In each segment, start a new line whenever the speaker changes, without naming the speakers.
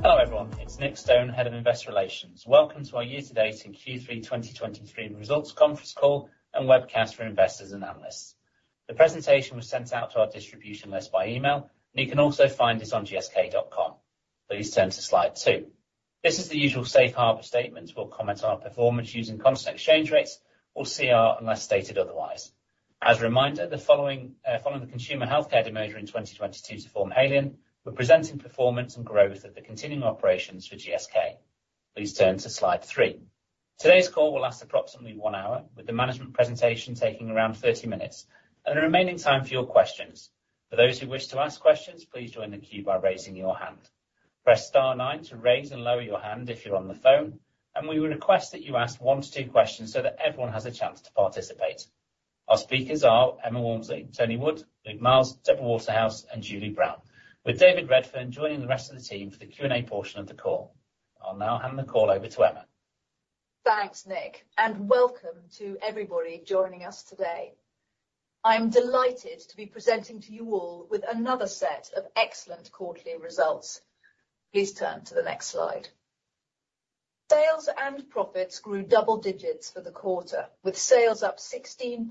Hello, everyone. It's Nick Stone, Head of Investor Relations. Welcome to our year-to-date in Q3 2023 results conference call and webcast for investors and analysts. The presentation was sent out to our distribution list by email, and you can also find this on gsk.com. Please turn to Slide 2. This is the usual safe harbor statement. We'll comment on our performance using constant exchange rates or CER, unless stated otherwise. As a reminder, the following, following the Consumer Healthcare demerger in 2022 to form Haleon, we're presenting performance and growth of the continuing operations for GSK. Please turn to Slide 3. Today's call will last approximately one hour, with the management presentation taking around thirty minutes and the remaining time for your questions. For those who wish to ask questions, please join the queue by raising your hand. Press star nine to raise and lower your hand if you're on the phone, and we would request that you ask 1-2 questions so that everyone has a chance to participate. Our speakers are Emma Walmsley, Tony Wood, Luke Miels, Deborah Waterhouse, and Julie Brown, with David Redfern joining the rest of the team for the Q&A portion of the call. I'll now hand the call over to Emma.
Thanks, Nick, and welcome to everybody joining us today. I'm delighted to be presenting to you all with another set of excellent quarterly results. Please turn to the next slide. Sales and profits grew double digits for the quarter, with sales up 16%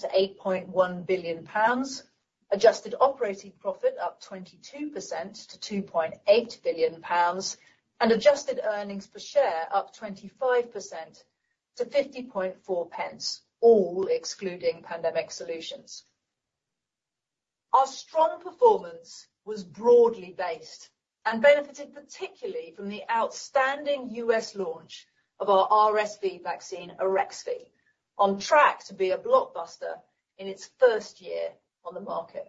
to 8.1 billion pounds, adjusted operating profit up 22% to 2.8 billion pounds, and adjusted earnings per share up 25% to 50.4 pence, all excluding pandemic solutions. Our strong performance was broadly based and benefited particularly from the outstanding U.S. launch of our RSV vaccine, Arexvy, on track to be a blockbuster in its first year on the market.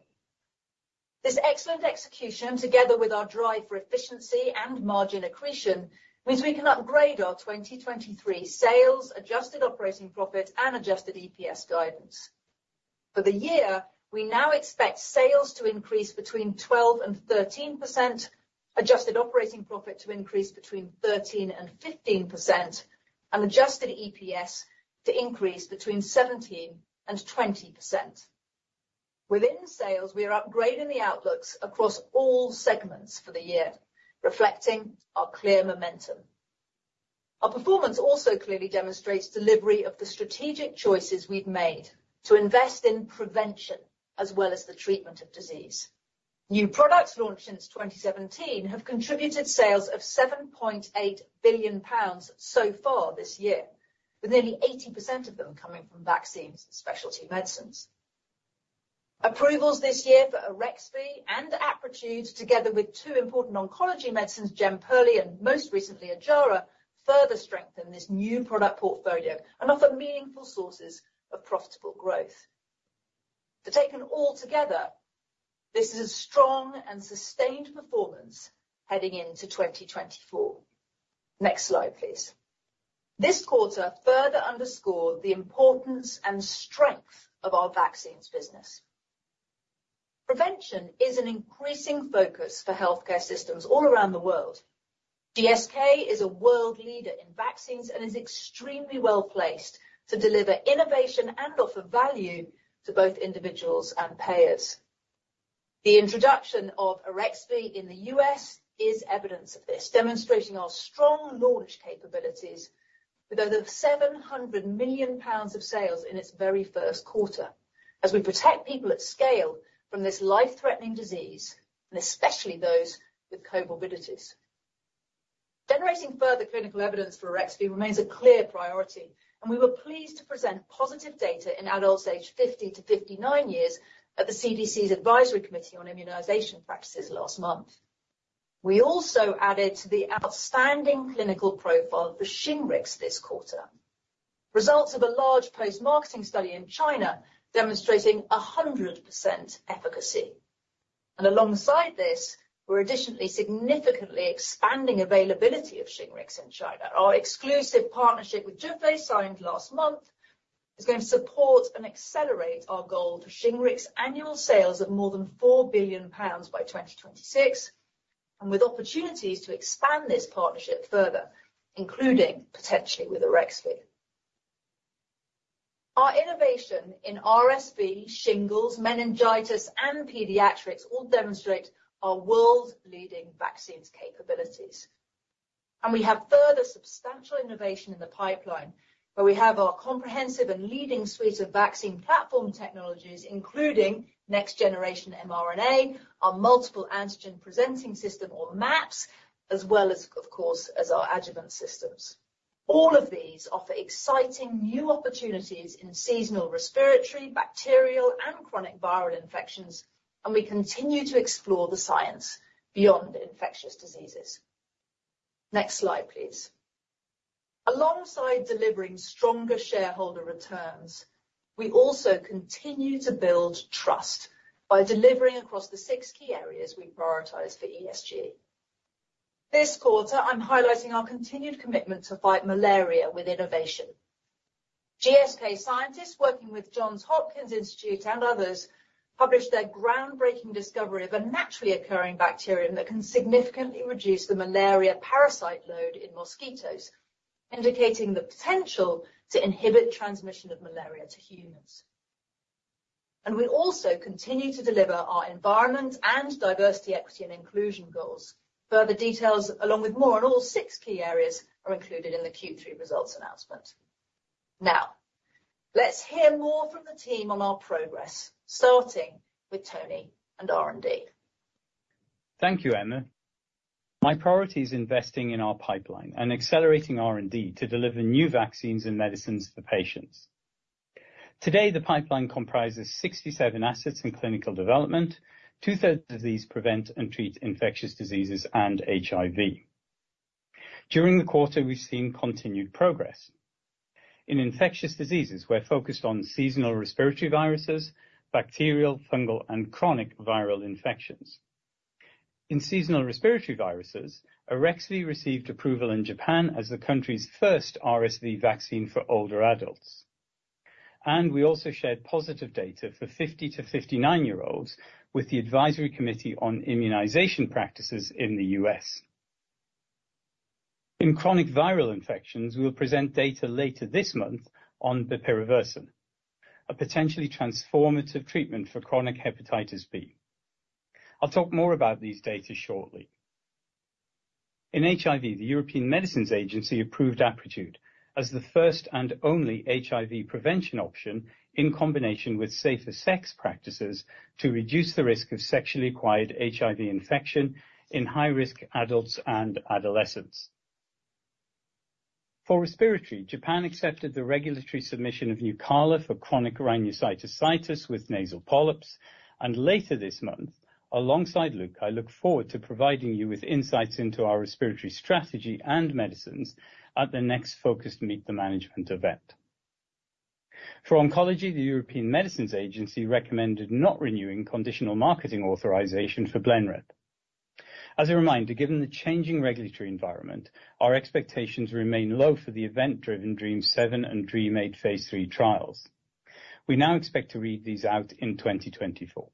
This excellent execution, together with our drive for efficiency and margin accretion, means we can upgrade our 2023 sales, adjusted operating profit and adjusted EPS guidance. For the year, we now expect sales to increase between 12%-13%, adjusted operating profit to increase between 13%-15%, and adjusted EPS to increase between 17%-20%. Within sales, we are upgrading the outlooks across all segments for the year, reflecting our clear momentum. Our performance also clearly demonstrates delivery of the strategic choices we've made to invest in prevention as well as the treatment of disease. New products launched since 2017 have contributed sales of 7.8 billion pounds so far this year, with nearly 80% of them coming from vaccines and specialty medicines. Approvals this year for Arexvy and Apretude, together with two important oncology medicines, Jemperli and most recently, Ojjaara, further strengthen this new product portfolio and offer meaningful sources of profitable growth. So taken all together, this is a strong and sustained performance heading into 2024. Next slide, please. This quarter further underscored the importance and strength of our vaccines business. Prevention is an increasing focus for healthcare systems all around the world. GSK is a world leader in vaccines and is extremely well-placed to deliver innovation and offer value to both individuals and payers. The introduction of Arexvy in the U.S. is evidence of this, demonstrating our strong launch capabilities with over 700 million pounds of sales in its very first quarter, as we protect people at scale from this life-threatening disease, and especially those with comorbidities. Generating further clinical evidence for Arexvy remains a clear priority, and we were pleased to present positive data in adults aged 50 to 59 years at the CDC's Advisory Committee on Immunization Practices last month. We also added to the outstanding clinical profile for Shingrix this quarter. Results of a large post-marketing study in China, demonstrating 100% efficacy. Alongside this, we're additionally significantly expanding availability of Shingrix in China. Our exclusive partnership with Zhifei, signed last month, is going to support and accelerate our goal for Shingrix annual sales of more than 4 billion pounds by 2026, and with opportunities to expand this partnership further, including potentially with Arexvy. Our innovation in RSV, shingles, meningitis, and pediatrics all demonstrate our world-leading vaccines capabilities. We have further substantial innovation in the pipeline, where we have our comprehensive and leading suite of vaccine platform technologies, including next generation mRNA, our multiple antigen presenting system, or MAPS, as well as, of course, as our adjuvant systems. All of these offer exciting new opportunities in seasonal respiratory, bacterial, and chronic viral infections, and we continue to explore the science beyond infectious diseases. Next slide, please. Alongside delivering stronger shareholder returns, we also continue to build trust by delivering across the six key areas we've prioritized for ESG. This quarter, I'm highlighting our continued commitment to fight malaria with innovation. GSK scientists, working with Johns Hopkins Institute and others, published their groundbreaking discovery of a naturally occurring bacterium that can significantly reduce the malaria parasite load in mosquitoes, indicating the potential to inhibit transmission of malaria to humans and we also continue to deliver our environment and diversity, equity, and inclusion goals. Further details, along with more on all six key areas, are included in the Q3 results announcement. Now, let's hear more from the team on our progress, starting with Tony and R&D.
Thank you, Emma. My priority is investing in our pipeline and accelerating R&D to deliver new vaccines and medicines to patients. Today, the pipeline comprises 67 assets in clinical development. Two-thirds of these prevent and treat infectious diseases and HIV. During the quarter, we've seen continued progress. In infectious diseases, we're focused on seasonal respiratory viruses, bacterial, fungal, and chronic viral infections. In seasonal respiratory viruses, Arexvy received approval in Japan as the country's first RSV vaccine for older adults, and we also shared positive data for 50- to 59-year-olds with the Advisory Committee on Immunization Practices in the U.S. In chronic viral infections, we'll present data later this month on bepirovirsen, a potentially transformative treatment for chronic hepatitis B. I'll talk more about these data shortly. In HIV, the European Medicines Agency approved Apretude as the first and only HIV prevention option, in combination with safer sex practices, to reduce the risk of sexually acquired HIV infection in high-risk adults and adolescents. For respiratory, Japan accepted the regulatory submission of Nucala for chronic rhinosinusitis with nasal polyps, and later this month, alongside Luke, I look forward to providing you with insights into our respiratory strategy and medicines at the next Focused Meet the Management event. For oncology, the European Medicines Agency recommended not renewing conditional marketing authorization for Blenrep. As a reminder, given the changing regulatory environment, our expectations remain low for the event-driven DREAMM-7 and DREAMM-8 phase III trials. We now expect to read these out in 2024.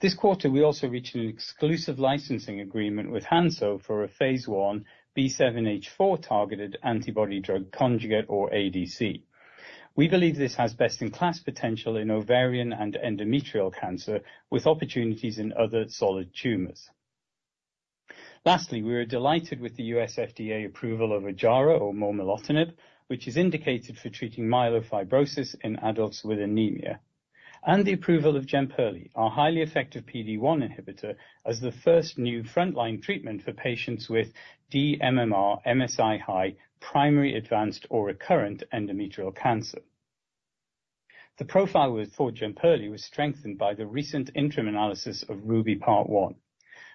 This quarter, we also reached an exclusive licensing agreement with Hansoh for a phase I B7-H4 targeted antibody drug conjugate, or ADC. We believe this has best-in-class potential in ovarian and endometrial cancer, with opportunities in other solid tumors. Lastly, we are delighted with the U.S. FDA approval of Ojjaara, or momelotinib, which is indicated for treating myelofibrosis in adults with anemia, and the approval of Jemperli, our highly effective PD-1 inhibitor, as the first new frontline treatment for patients with dMMR, MSI-high, primary advanced or recurrent endometrial cancer. The profile we thought Jemperli was strengthened by the recent interim analysis of RUBY Part 1,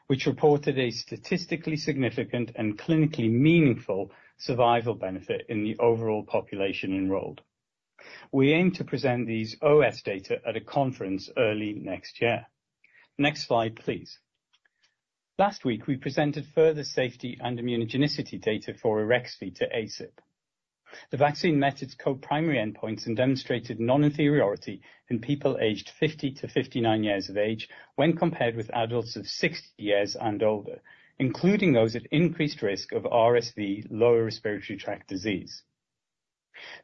which reported a statistically significant and clinically meaningful survival benefit in the overall population enrolled. We aim to present these OS data at a conference early next year. Next slide, please. Last week, we presented further safety and immunogenicity data for Arexvy to ACIP. The vaccine met its co-primary endpoints and demonstrated non-inferiority in people aged 50 to 59 years of age when compared with adults of 60 years and older, including those at increased risk of RSV lower respiratory tract disease.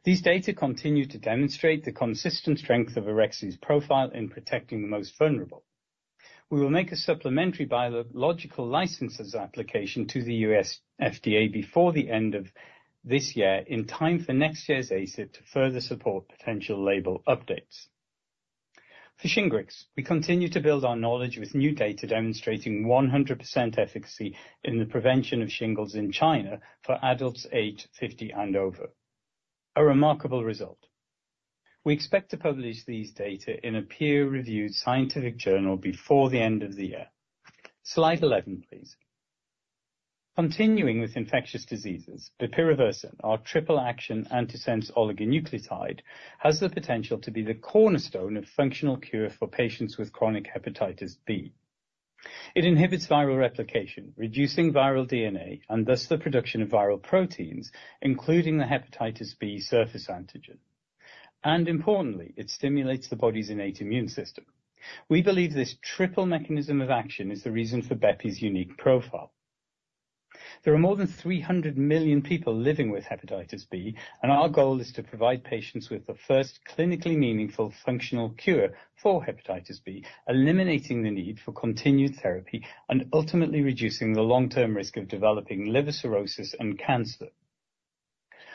These data continue to demonstrate the consistent strength of Arexvy's profile in protecting the most vulnerable. We will make a supplementary Biologics License Application to the U.S. FDA before the end of this year, in time for next year's ACIP to further support potential label updates. For Shingrix, we continue to build our knowledge with new data, demonstrating 100% efficacy in the prevention of shingles in China for adults aged 50 and over. A remarkable result. We expect to publish these data in a peer-reviewed scientific journal before the end of the year. Slide 11, please. Continuing with infectious diseases, bepirovirsen, our triple-action antisense oligonucleotide, has the potential to be the cornerstone of functional cure for patients with chronic hepatitis B. It inhibits viral replication, reducing viral DNA and thus the production of viral proteins, including the hepatitis B surface antigen. Importantly, it stimulates the body's innate immune system. We believe this triple mechanism of action is the reason for Bepi's unique profile. There are more than 300 million people living with hepatitis B, and our goal is to provide patients with the first clinically meaningful functional cure for hepatitis B, eliminating the need for continued therapy and ultimately reducing the long-term risk of developing liver cirrhosis and cancer.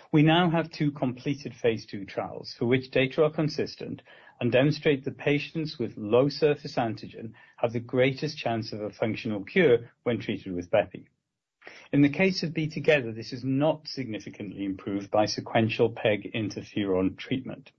We now have two completed phase II trials, for which data are consistent and demonstrate that patients with low surface antigen have the greatest chance of a functional cure when treated with Bepi. In the case of B-Well, this is not significantly improved by sequential peginterferon treatment.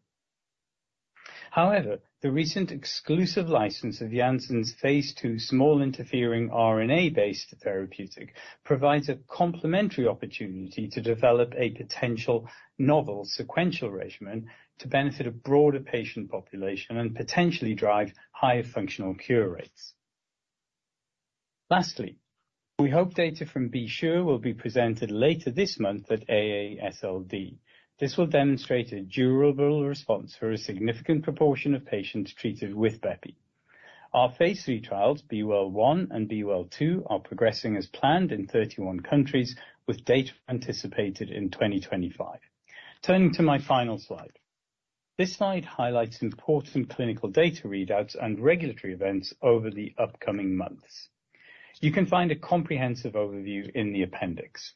However, the recent exclusive license of Janssen's phase II small interfering RNA-based therapeutic provides a complementary opportunity to develop a potential novel sequential regimen to benefit a broader patient population and potentially drive higher functional cure rates. Lastly, we hope data from B-Sure will be presented later this month at AASLD. This will demonstrate a durable response for a significant proportion of patients treated with Bepi. Our phase III trials, B-Well 1 and B-Well 2, are progressing as planned in 31 countries, with data anticipated in 2025. Turning to my final slide. This slide highlights important clinical data readouts and regulatory events over the upcoming months. You can find a comprehensive overview in the appendix.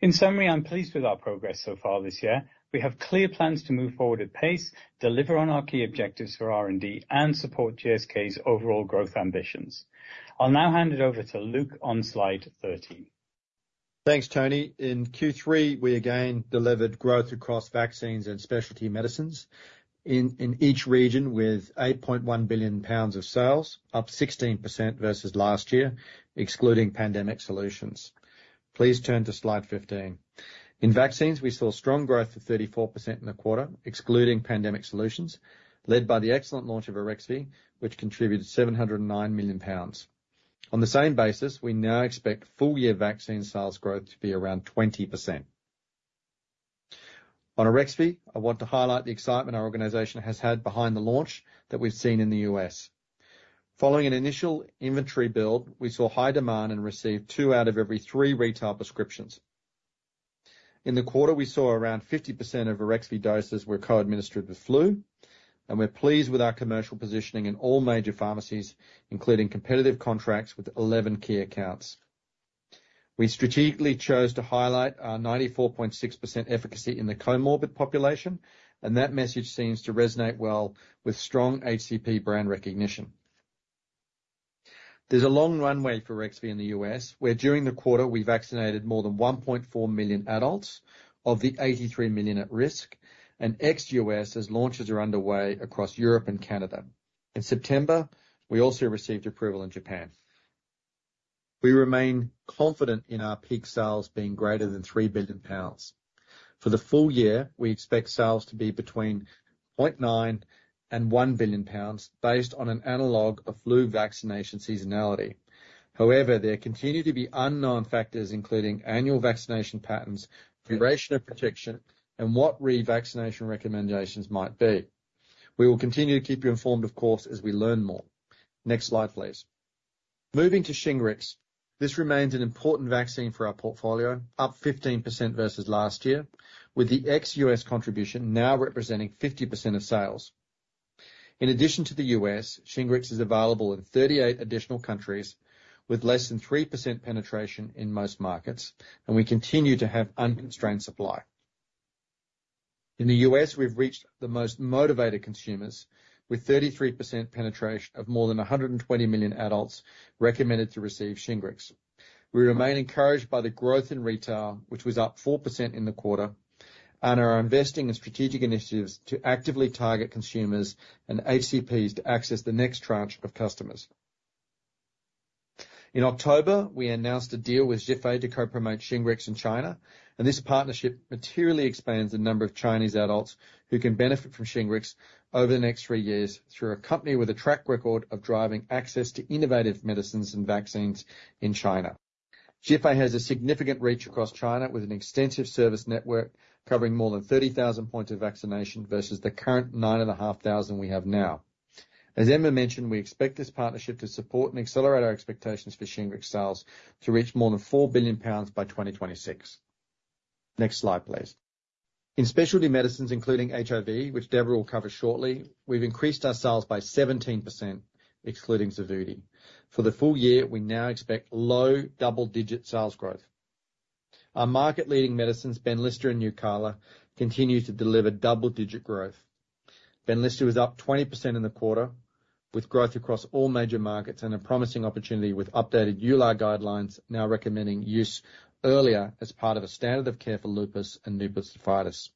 In summary, I'm pleased with our progress so far this year. We have clear plans to move forward at pace, deliver on our key objectives for R&D, and support GSK's overall growth ambitions. I'll now hand it over to Luke on Slide 13.
Thanks, Tony. In Q3, we again delivered growth across vaccines and specialty medicines in each region with 8.1 billion pounds of sales, up 16% versus last year, excluding pandemic solutions. Please turn to Slide 15. In vaccines, we saw strong growth of 34% in the quarter, excluding pandemic solutions, led by the excellent launch of Arexvy, which contributed 709 million pounds. On the same basis, we now expect full-year vaccine sales growth to be around 20%. On Arexvy, I want to highlight the excitement our organization has had behind the launch that we've seen in the U.S. Following an initial inventory build, we saw high demand and received 2 out of every 3 retail prescriptions. In the quarter, we saw around 50% of Arexvy doses were co-administered with flu, and we're pleased with our commercial positioning in all major pharmacies, including competitive contracts with 11 key accounts. We strategically chose to highlight our 94.6% efficacy in the comorbid population, and that message seems to resonate well with strong HCP brand recognition. There's a long runway for Arexvy in the U.S., where during the quarter we vaccinated more than 1.4 million adults of the 83 million at risk, and ex-U.S., as launches are underway across Europe and Canada. In September, we also received approval in Japan. We remain confident in our peak sales being greater than 3 billion pounds. For the full-year, we expect sales to be between 0.9 billion and 1 billion pounds, based on an analog of flu vaccination seasonality. However, there continue to be unknown factors, including annual vaccination patterns, duration of protection, and what revaccination recommendations might be. We will continue to keep you informed, of course, as we learn more. Next slide, please. Moving to Shingrix, this remains an important vaccine for our portfolio, up 15% versus last year, with the ex-US contribution now representing 50% of sales. In addition to the US, Shingrix is available in 38 additional countries with less than 3% penetration in most markets, and we continue to have unconstrained supply. In the US, we've reached the most motivated consumers, with 33% penetration of more than 120 million adults recommended to receive Shingrix. We remain encouraged by the growth in retail, which was up 4% in the quarter, and are investing in strategic initiatives to actively target consumers and HCPs to access the next tranche of customers. In October, we announced a deal with Zhifei to co-promote Shingrix in China, and this partnership materially expands the number of Chinese adults who can benefit from Shingrix over the next three years through a company with a track record of driving access to innovative medicines and vaccines in China. Zhifei has a significant reach across China, with an extensive service network covering more than 30,000 points of vaccination versus the current 9,500 we have now. As Emma mentioned, we expect this partnership to support and accelerate our expectations for Shingrix sales to reach more than 4 billion pounds by 2026. Next slide, please. In specialty medicines, including HIV, which Deborah will cover shortly, we've increased our sales by 17%, excluding Xevudy. For the full-year, we now expect low double-digit sales growth. Our market-leading medicines, Benlysta and Nucala, continue to deliver double-digit growth. Benlysta was up 20% in the quarter, with growth across all major markets and a promising opportunity with updated EULAR guidelines, now recommending use earlier as part of a standard of care for lupus and lupus nephritis.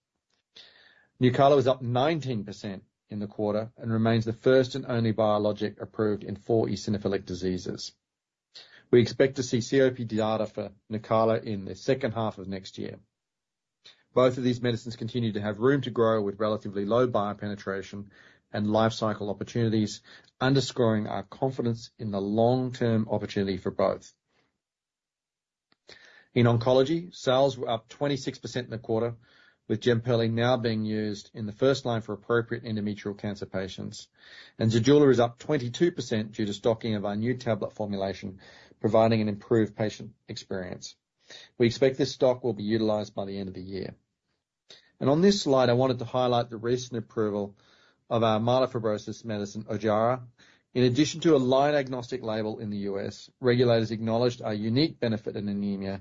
Nucala was up 19% in the quarter and remains the first and only biologic approved in four eosinophilic diseases. We expect to see COPD data for Nucala in the second half of next year. Both of these medicines continue to have room to grow, with relatively low buyer penetration and life cycle opportunities, underscoring our confidence in the long-term opportunity for both. In oncology, sales were up 26% in the quarter, with Jemperli now being used in the first line for appropriate endometrial cancer patients, and Zejula is up 22% due to stocking of our new tablet formulation, providing an improved patient experience. We expect this stock will be utilized by the end of the year. On this slide, I wanted to highlight the recent approval of our myelofibrosis medicine, Ojjaara. In addition to a line-agnostic label in the U.S., regulators acknowledged a unique benefit in anemia,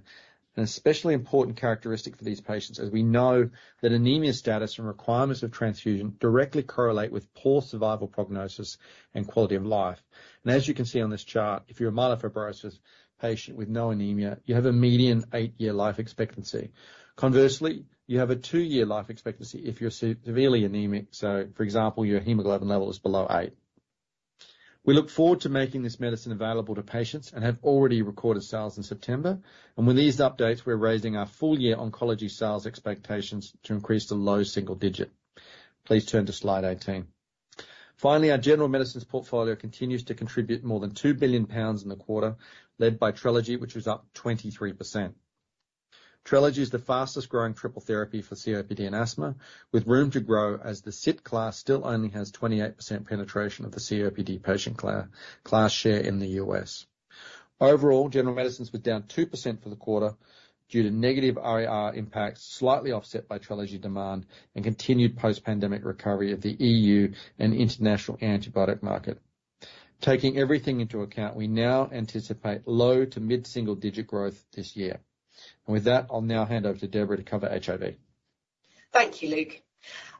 an especially important characteristic for these patients, as we know that anemia status and requirements of transfusion directly correlate with poor survival prognosis and quality of life. As you can see on this chart, if you're a myelofibrosis patient with no anemia, you have a median 8-year life expectancy. Conversely, you have a 2-year life expectancy if you're severely anemic. So, for example, your hemoglobin level is below 8. We look forward to making this medicine available to patients and have already recorded sales in September, and with these updates, we're raising our full-year oncology sales expectations to increase to low single digit. Please turn to Slide 18. Finally, our General Medicines portfolio continues to contribute more than 2 billion pounds in the quarter, led by Trelegy, which is up 23%—Trelegy is the fastest growing triple therapy for COPD and asthma, with room to grow as the SITT class still only has 28% penetration of the COPD patient class share in the US. Overall, General Medicines were down 2% for the quarter due to negative RAR impacts, slightly offset by Trelegy demand and continued post-pandemic recovery of the EU and international antibiotic market. Taking everything into account, we now anticipate low to mid-single digit growth this year. With that, I'll now hand over to Deborah to cover HIV.
Thank you, Luke.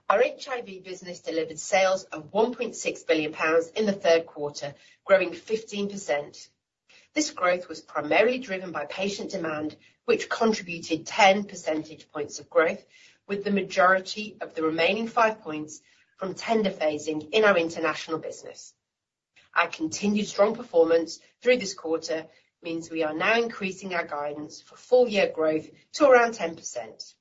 Our HIV business delivered sales of 1.6 billion pounds in the third quarter, growing 15%. This growth was primarily driven by patient demand, which contributed ten percentage points of growth, with the majority of the remaining five points from tender phasing in our international business. Our continued strong performance through this quarter means we are now increasing our guidance for full-year growth to around 10%.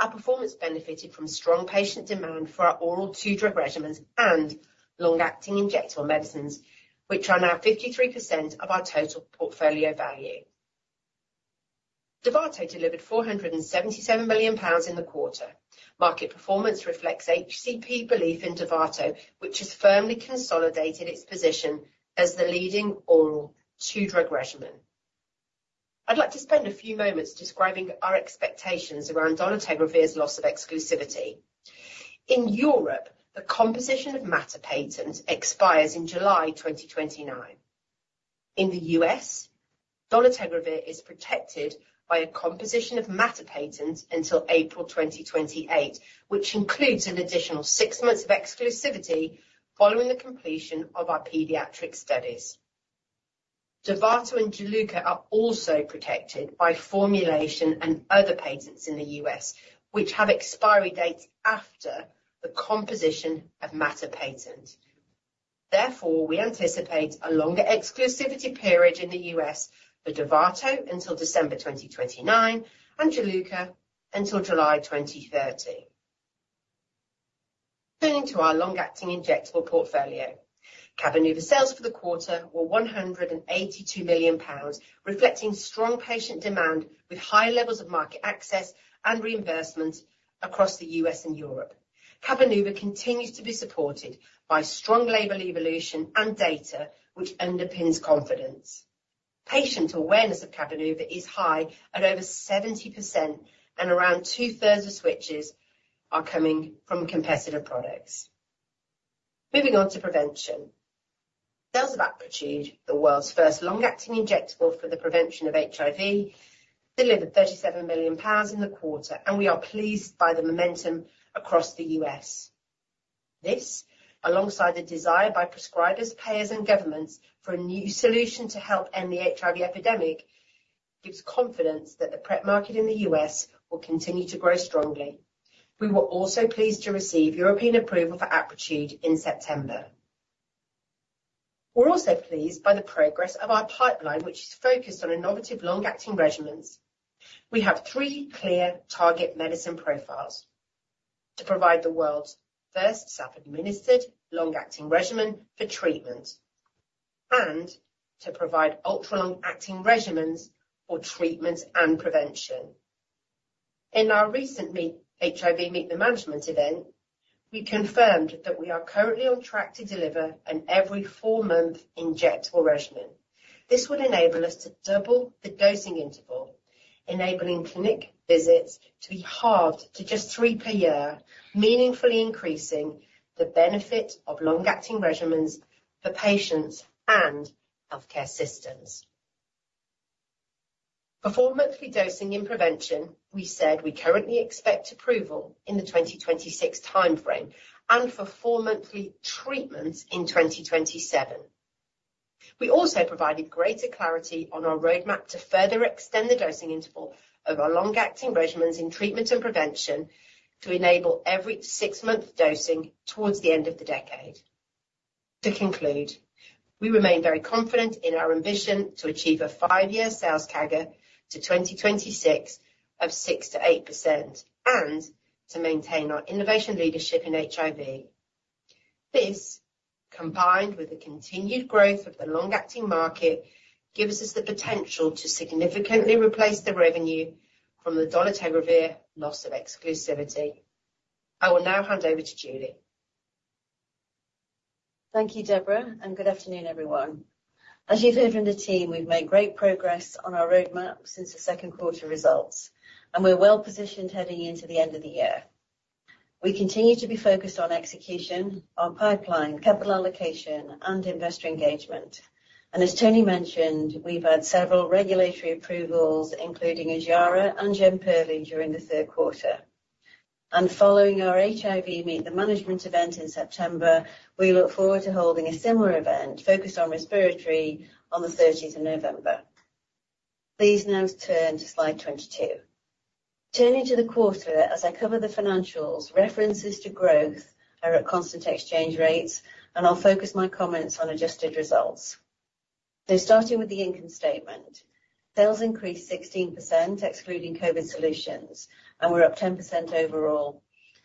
Our performance benefited from strong patient demand for our oral two-drug regimens and long-acting injectable medicines, which are now 53% of our total portfolio value. Dovato delivered 477 million pounds in the quarter. Market performance reflects HCP belief in Dovato, which has firmly consolidated its position as the leading oral two-drug regimen. I'd like to spend a few moments describing our expectations around dolutegravir's loss of exclusivity. In Europe, the composition of matter patent expires in July 2029. In the U.S., dolutegravir is protected by a composition of matter patent until April 2028, which includes an additional six months of exclusivity following the completion of our pediatric studies. Dovato and Juluca are also protected by formulation and other patents in the U.S., which have expiry dates after the composition of matter patent. Therefore, we anticipate a longer exclusivity period in the U.S. for Dovato until December 2029 and Juluca until July 2030. Turning to our long-acting injectable portfolio. Cabenuva sales for the quarter were 182 million pounds, reflecting strong patient demand with high levels of market access and reimbursement across the U.S. and Europe. Cabenuva continues to be supported by strong label evolution and data, which underpins confidence. Patient awareness of Cabenuva is high at over 70%, and around two-thirds of switches are coming from competitive products. Moving on to prevention. Sales of Apretude, the world's first long-acting injectable for the prevention of HIV, delivered 37 million pounds in the quarter, and we are pleased by the momentum across the U.S. This, alongside the desire by prescribers, payers, and governments for a new solution to help end the HIV epidemic, gives confidence that the PrEP market in the U.S. will continue to grow strongly. We were also pleased to receive European approval for Apretude in September. We're also pleased by the progress of our pipeline, which is focused on innovative long-acting regimens. We have three clear target medicine profiles: to provide the world's first self-administered, long-acting regimen for treatment, and to provide ultra-long acting regimens for treatment and prevention. In our recent meet, HIV Meet the Management event, we confirmed that we are currently on track to deliver an every four-month injectable regimen. This would enable us to double the dosing interval, enabling clinic visits to be halved to just three per year, meaningfully increasing the benefit of long-acting regimens for patients and healthcare systems. For four-monthly dosing in prevention, we said we currently expect approval in the 2026 timeframe, and for four-monthly treatments in 2027. We also provided greater clarity on our roadmap to further extend the dosing interval of our long-acting regimens in treatment and prevention to enable every six-month dosing towards the end of the decade. To conclude, we remain very confident in our ambition to achieve a five-year sales CAGR to 2026 of 6%-8% and to maintain our innovation leadership in HIV. This, combined with the continued growth of the long-acting market, gives us the potential to significantly replace the revenue from the dolutegravir loss of exclusivity. I will now hand over to Julie.
Thank you, Deborah, and good afternoon, everyone. As you've heard from the team, we've made great progress on our roadmap since the second quarter results, and we're well positioned heading into the end of the year. We continue to be focused on execution, on pipeline, capital allocation, and investor engagement. As Tony mentioned, we've had several regulatory approvals, including Ojjaara and Jemperli during the third quarter. Following our HIV Meet the Management event in September, we look forward to holding a similar event focused on respiratory on the thirteenth of November. Please now turn to Slide 22. Turning to the quarter, as I cover the financials, references to growth are at constant exchange rates, and I'll focus my comments on adjusted results. Starting with the income statement. Sales increased 16%, excluding COVID solutions, and we're up 10% overall,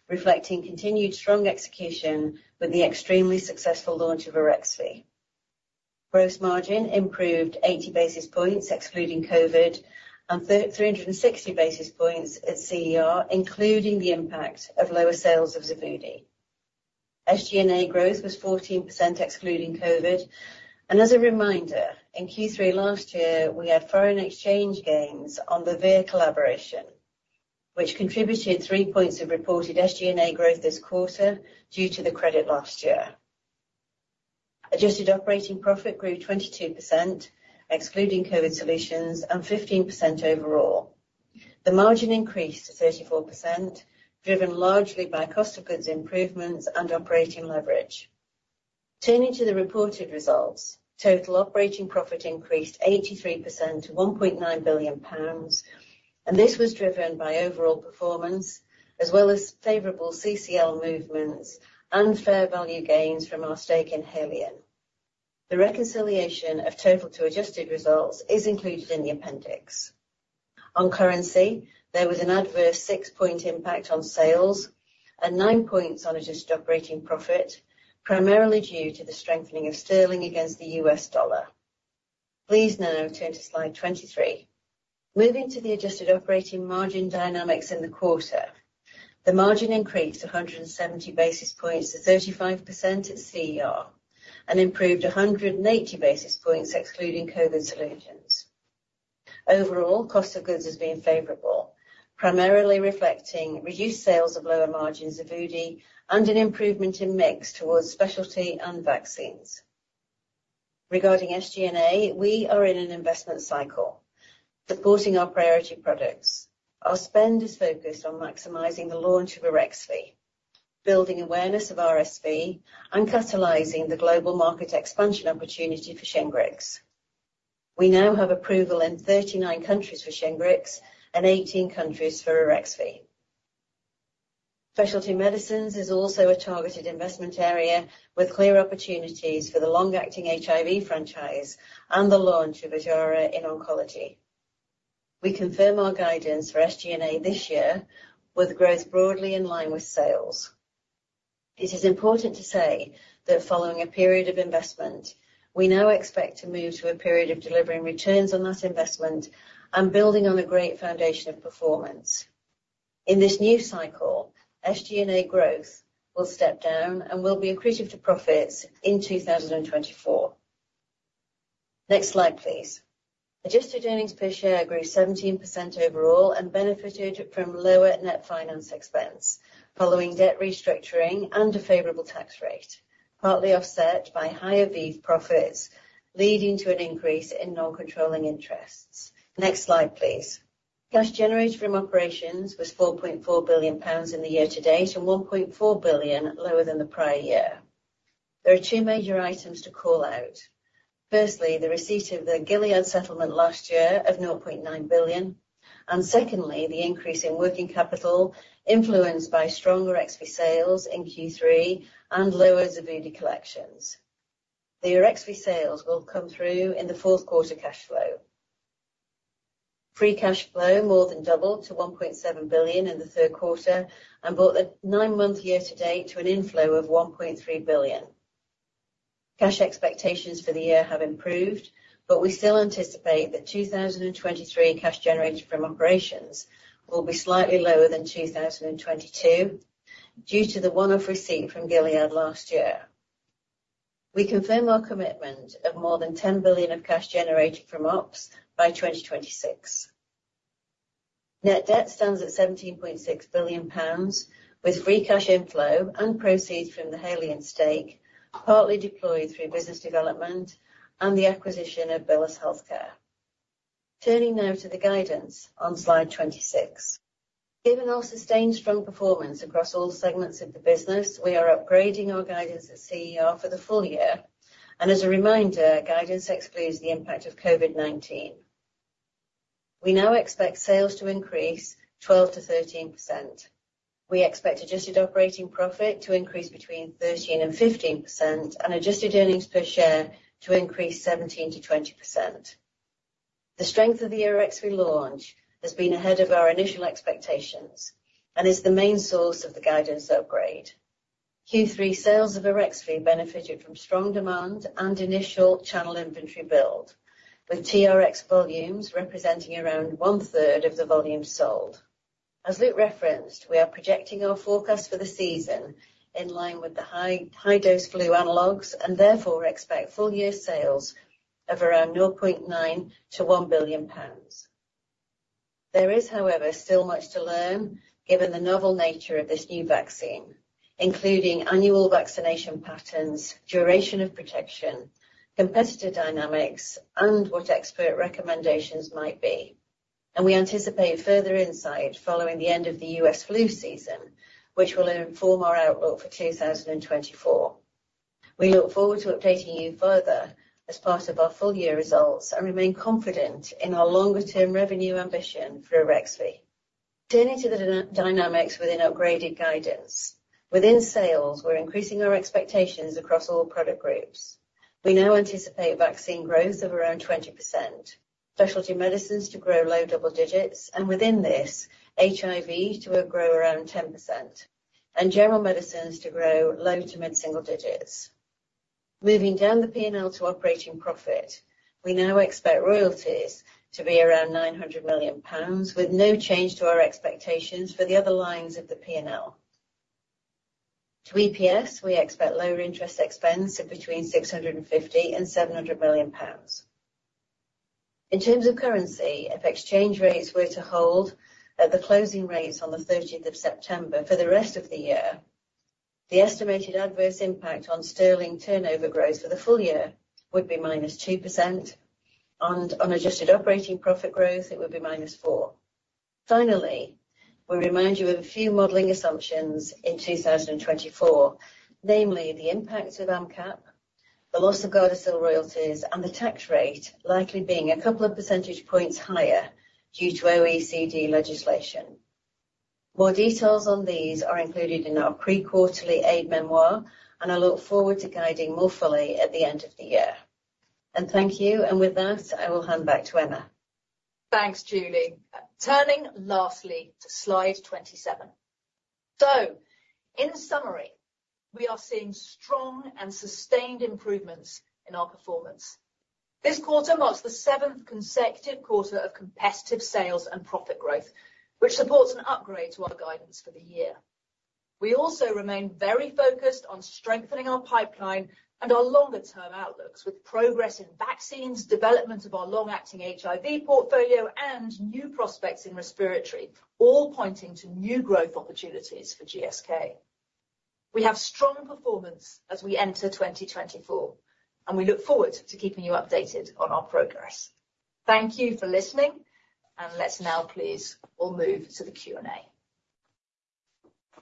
reflecting continued strong execution with the extremely successful launch of Arexvy. Gross margin improved 80 basis points, excluding COVID, and three hundred and sixty basis points at CER, including the impact of lower sales of Xevudy. SG&A growth was 14% excluding COVID, and as a reminder, in Q3 last year, we had foreign exchange gains on the ViiV collaboration, which contributed 3 points of reported SG&A growth this quarter due to the credit last year. Adjusted operating profit grew 22%, excluding COVID Solutions, and 15% overall. The margin increased to 34%, driven largely by cost of goods improvements and operating leverage. Turning to the reported results, total operating profit increased 83% to 1.9 billion pounds, and this was driven by overall performance, as well as favorable CER movements and fair value gains from our stake in Haleon. The reconciliation of total to adjusted results is included in the appendix. On currency, there was an adverse 6-point impact on sales and 9 points on adjusted operating profit, primarily due to the strengthening of sterling against the US dollar. Please now turn to Slide 23. Moving to the adjusted operating margin dynamics in the quarter, the margin increased 170 basis points to 35% at CER and improved 180 basis points excluding COVID solutions. Overall, cost of goods has been favorable, primarily reflecting reduced sales of lower margin Xevudy and an improvement in mix towards specialty and vaccines. Regarding SG&A, we are in an investment cycle supporting our priority products. Our spend is focused on maximizing the launch of Arexvy, building awareness of RSV, and catalyzing the global market expansion opportunity for Shingrix. We now have approval in 39 countries for Shingrix and 18 countries for Arexvy. Specialty medicines is also a targeted investment area, with clear opportunities for the long-acting HIV franchise and the launch of Ojjaara in oncology. We confirm our guidance for SG&A this year, with growth broadly in line with sales. It is important to say that following a period of investment, we now expect to move to a period of delivering returns on that investment and building on a great foundation of performance. In this new cycle, SG&A growth will step down and will be accretive to profits in 2024. Next slide, please. Adjusted earnings per share grew 17% overall and benefited from lower net finance expense, following debt restructuring and a favorable tax rate, partly offset by higher ViiV profits, leading to an increase in non-controlling interests. Next slide, please. Cash-generated from operations was 4.4 billion pounds in the year to date, and 1.4 billion lower than the prior-year. There are two major items to call out. Firstly, the receipt of the Gilead settlement last year of 0.9 billion, and secondly, the increase in working capital influenced by stronger Arexvy sales in Q3 and lower Xevudy collections. The Arexvy sales will come through in the fourth quarter cash flow. Free cash flow more than doubled to 1.7 billion in the third quarter and brought the nine-month year to date to an inflow of 1.3 billion. Cash expectations for the year have improved, but we still anticipate that 2023 cash-generated from operations will be slightly lower than 2022 due to the one-off receipt from Gilead last year. We confirm our commitment of more than 10 billion of cash-generated from ops by 2026. Net debt stands at 17.6 billion pounds, with free cash inflow and proceeds from the Haleon stake, partly deployed through business development and the acquisition of Bellus Health. Turning now to the guidance on Slide 26. Given our sustained strong performance across all segments of the business, we are upgrading our guidance at CER for the full-year, and as a reminder, guidance excludes the impact of COVID-19. We now expect sales to increase 12%-13%. We expect adjusted operating profit to increase between 13%-15% and adjusted earnings per share to increase 17%-20%. The strength of the Arexvy launch has been ahead of our initial expectations and is the main source of the guidance upgrade. Q3 sales of Arexvy benefited from strong demand and initial channel inventory build, with TRX volumes representing around one-third of the volume sold. As Luke referenced, we are projecting our forecast for the season in line with the high, high-dose flu analogues, and therefore expect full-year sales of around 0.9 billion-1 billion pounds. There is, however, still much to learn given the novel nature of this new vaccine, including annual vaccination patterns, duration of protection, competitor dynamics, and what expert recommendations might be. We anticipate further insight following the end of the US flu season, which will inform our outlook for 2024. We look forward to updating you further as part of our full-year results, and remain confident in our longer-term revenue ambition for Arexvy. Turning to the dynamics within upgraded guidance. Within sales, we're increasing our expectations across all product groups. We now anticipate vaccine growth of around 20%, specialty medicines to grow low double digits, and within this, HIV to grow around 10% and General Medicines to grow low to mid-single digits. Moving down the P&L to operating profit, we now expect royalties to be around 900 million pounds, with no change to our expectations for the other lines of the P&L. To EPS, we expect lower interest expense of between 650 million and 700 million pounds. In terms of currency, if exchange rates were to hold at the closing rates on the 13th of September for the rest of the year, the estimated adverse impact on sterling turnover growth for the full-year would be minus 2%, and on adjusted operating profit growth, it would be minus 4. Finally, we remind you of a few modeling assumptions in 2024, namely the impact of the IRA, the loss of Gardasil royalties, and the tax rate likely being a couple of percentage points higher due to OECD legislation. More details on these are included in our pre-quarterly aide-mémoire, and I look forward to guiding more fully at the end of the year. Thank you, and with that, I will hand back to Emma.
Thanks, Julie. Turning lastly to Slide 27. So in summary, we are seeing strong and sustained improvements in our performance. This quarter marks the 7th consecutive quarter of competitive sales and profit growth, which supports an upgrade to our guidance for the year. We also remain very focused on strengthening our pipeline and our longer-term outlooks with progress in vaccines, development of our long-acting HIV portfolio, and new prospects in respiratory, all pointing to new growth opportunities for GSK. We have strong performance as we enter 2024, and we look forward to keeping you updated on our progress. Thank you for listening, and let's now please all move to the Q&A.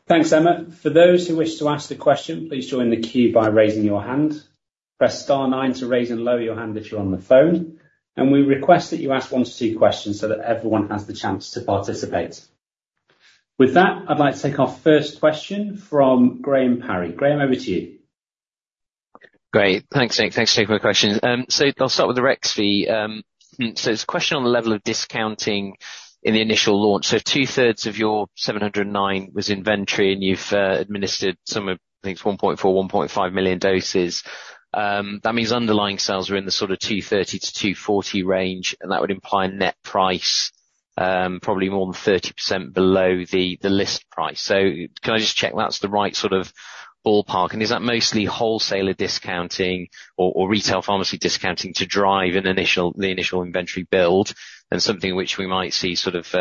Thanks, Emma. For those who wish to ask the question, please join the queue by raising your hand. Press star nine to raise and lower your hand if you're on the phone, and we request that you ask one to two questions so that everyone has the chance to participate. With that, I'd like to take our first question from Graham Parry. Graham, over to you.
Great. Thanks, Nick. Thanks for taking my questions. So I'll start with the Arexvy. So it's a question on the level of discounting in the initial launch. So two-thirds of your $709 million was inventory, and you've administered some of, I think, 1.4-1.5 million doses. That means underlying sales are in the sort of $230 million-$240 million range, and that would imply net price probably more than 30% below the list price. So can I just check that's the right sort of ballpark? And is that mostly wholesaler discounting or retail pharmacy discounting to drive an initial inventory build and something which we might see sort of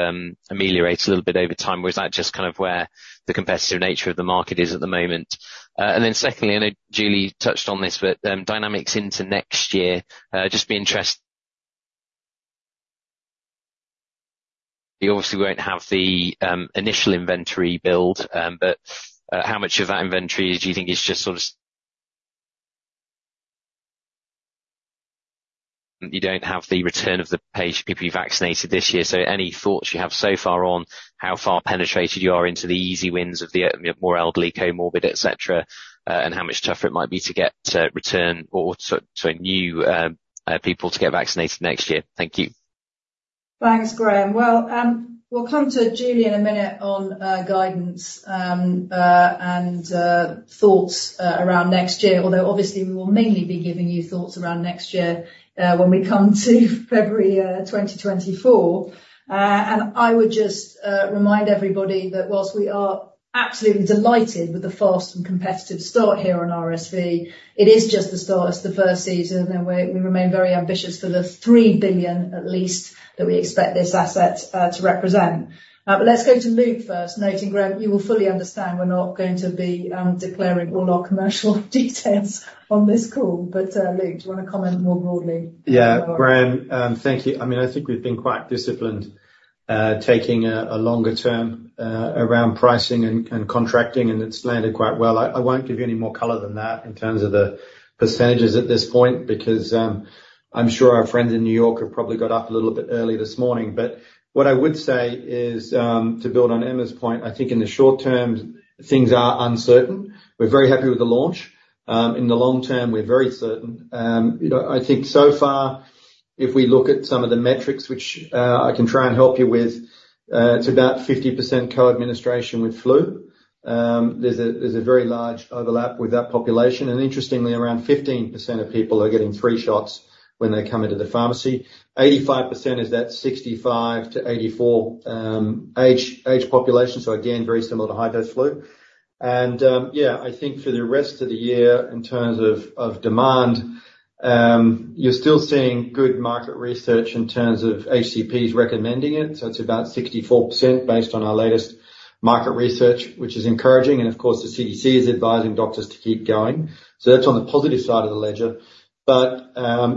ameliorate a little bit over time? Or is that just kind of where the competitive nature of the market is at the moment? And then secondly, I know Julie touched on this, but dynamics into next year, just be interested—you obviously won't have the initial inventory build, but how much of that inventory do you think is just sort of—you don't have the return of the patient, people you vaccinated this year. So any thoughts you have so far on how far penetrated you are into the easy wins of the more elderly, comorbid, et cetera, and how much tougher it might be to get, to return or, or so, so new people to get vaccinated next year? Thank you.
Thanks, Graham. Well, we'll come to Julie in a minute on guidance, and thoughts around next year, although obviously we will mainly be giving you thoughts around next year, when we come to February 2024. And I would just remind everybody that whilst we are absolutely delighted with the fast and competitive start here on RSV, it is just the start. It's the first season, and we remain very ambitious for the $3 billion, at least, that we expect this asset to represent. But let's go to Luke first, noting, Graham, you will fully understand we're not going to be declaring all our commercial details on this call, but, Luke, do you want to comment more broadly?
Yeah, Graham, thank you. I mean, I think we've been quite disciplined, taking a longer term around pricing and contracting, and it's landed quite well. I won't give you any more color than that in terms of the percentages at this point, because I'm sure our friends in New York have probably got up a little bit early this morning. But what I would say is, to build on Emma's point, I think in the short term, things are uncertain. We're very happy with the launch. In the long term, we're very certain. You know, I think so far, if we look at some of the metrics, which I can try and help you with, it's about 50% co-administration with flu. There's a very large overlap with that population, and interestingly, around 15% of people are getting three shots when they come into the pharmacy. 85% is that 65-84 age population, so again, very similar to high-dose flu. And yeah, I think for the rest of the year, in terms of demand, you're still seeing good market research in terms of HCPs recommending it, so it's about 64% based on our latest market research, which is encouraging, and of course, the CDC is advising doctors to keep going. So that's on the positive side of the ledger. But,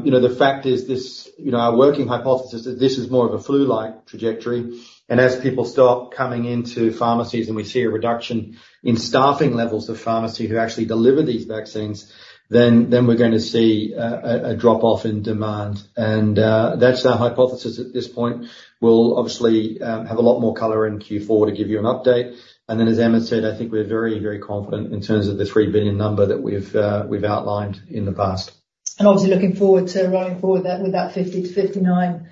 you know, the fact is this, you know, our working hypothesis is this is more of a flu-like trajectory, and as people stop coming into pharmacies and we see a reduction in staffing levels of pharmacy who actually deliver these vaccines, then we're going to see a drop-off in demand. And, that's our hypothesis at this point. We'll obviously have a lot more color in Q4 to give you an update. And then, as Emma said, I think we're very, very confident in terms of the $3 billion number that we've outlined in the past.
And obviously, looking forward to running forward that with that 50-59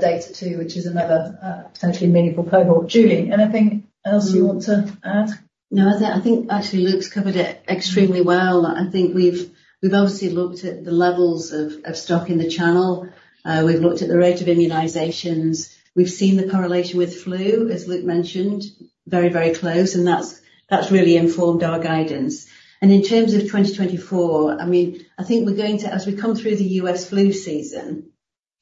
data too, which is another potentially meaningful cohort. Julie, anything else you want to add?
No, I, I think actually Luke's covered it extremely well. I think we've, we've obviously looked at the levels of, of stock in the channel. We've looked at the rate of immunizations. We've seen the correlation with flu, as Luke mentioned, very, very close, and that's, that's really informed our guidance. And in terms of 2024, I mean, I think we're going to, as we come through the U.S. flu season,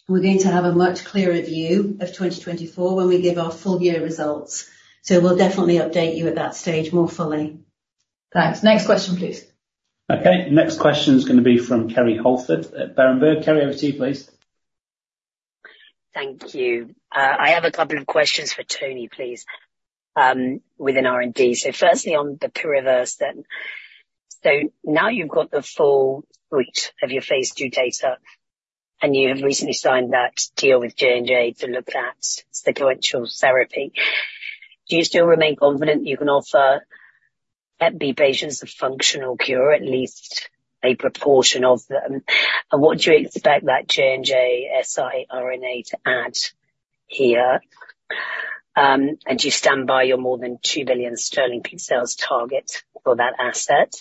we're going to have a much clearer view of 2024 when we give our full-year results. So we'll definitely update you at that stage more fully.
Thanks. Next question, please.
Okay, next question is going to be from Kerry Halford at Berenberg. Kerry, over to you, please.
Thank you. I have a couple of questions for Tony, please, within R&D. So firstly, on the bepirovirsen then. So now you've got the full suite of your phase II data, and you have recently signed that deal with J&J to look at sequential therapy. Do you still remain confident you can offer HBV patients a functional cure, at least a proportion of them? And what do you expect that J&J siRNA to add here? And do you stand by your more than 2 billion sterling peak sales target for that asset?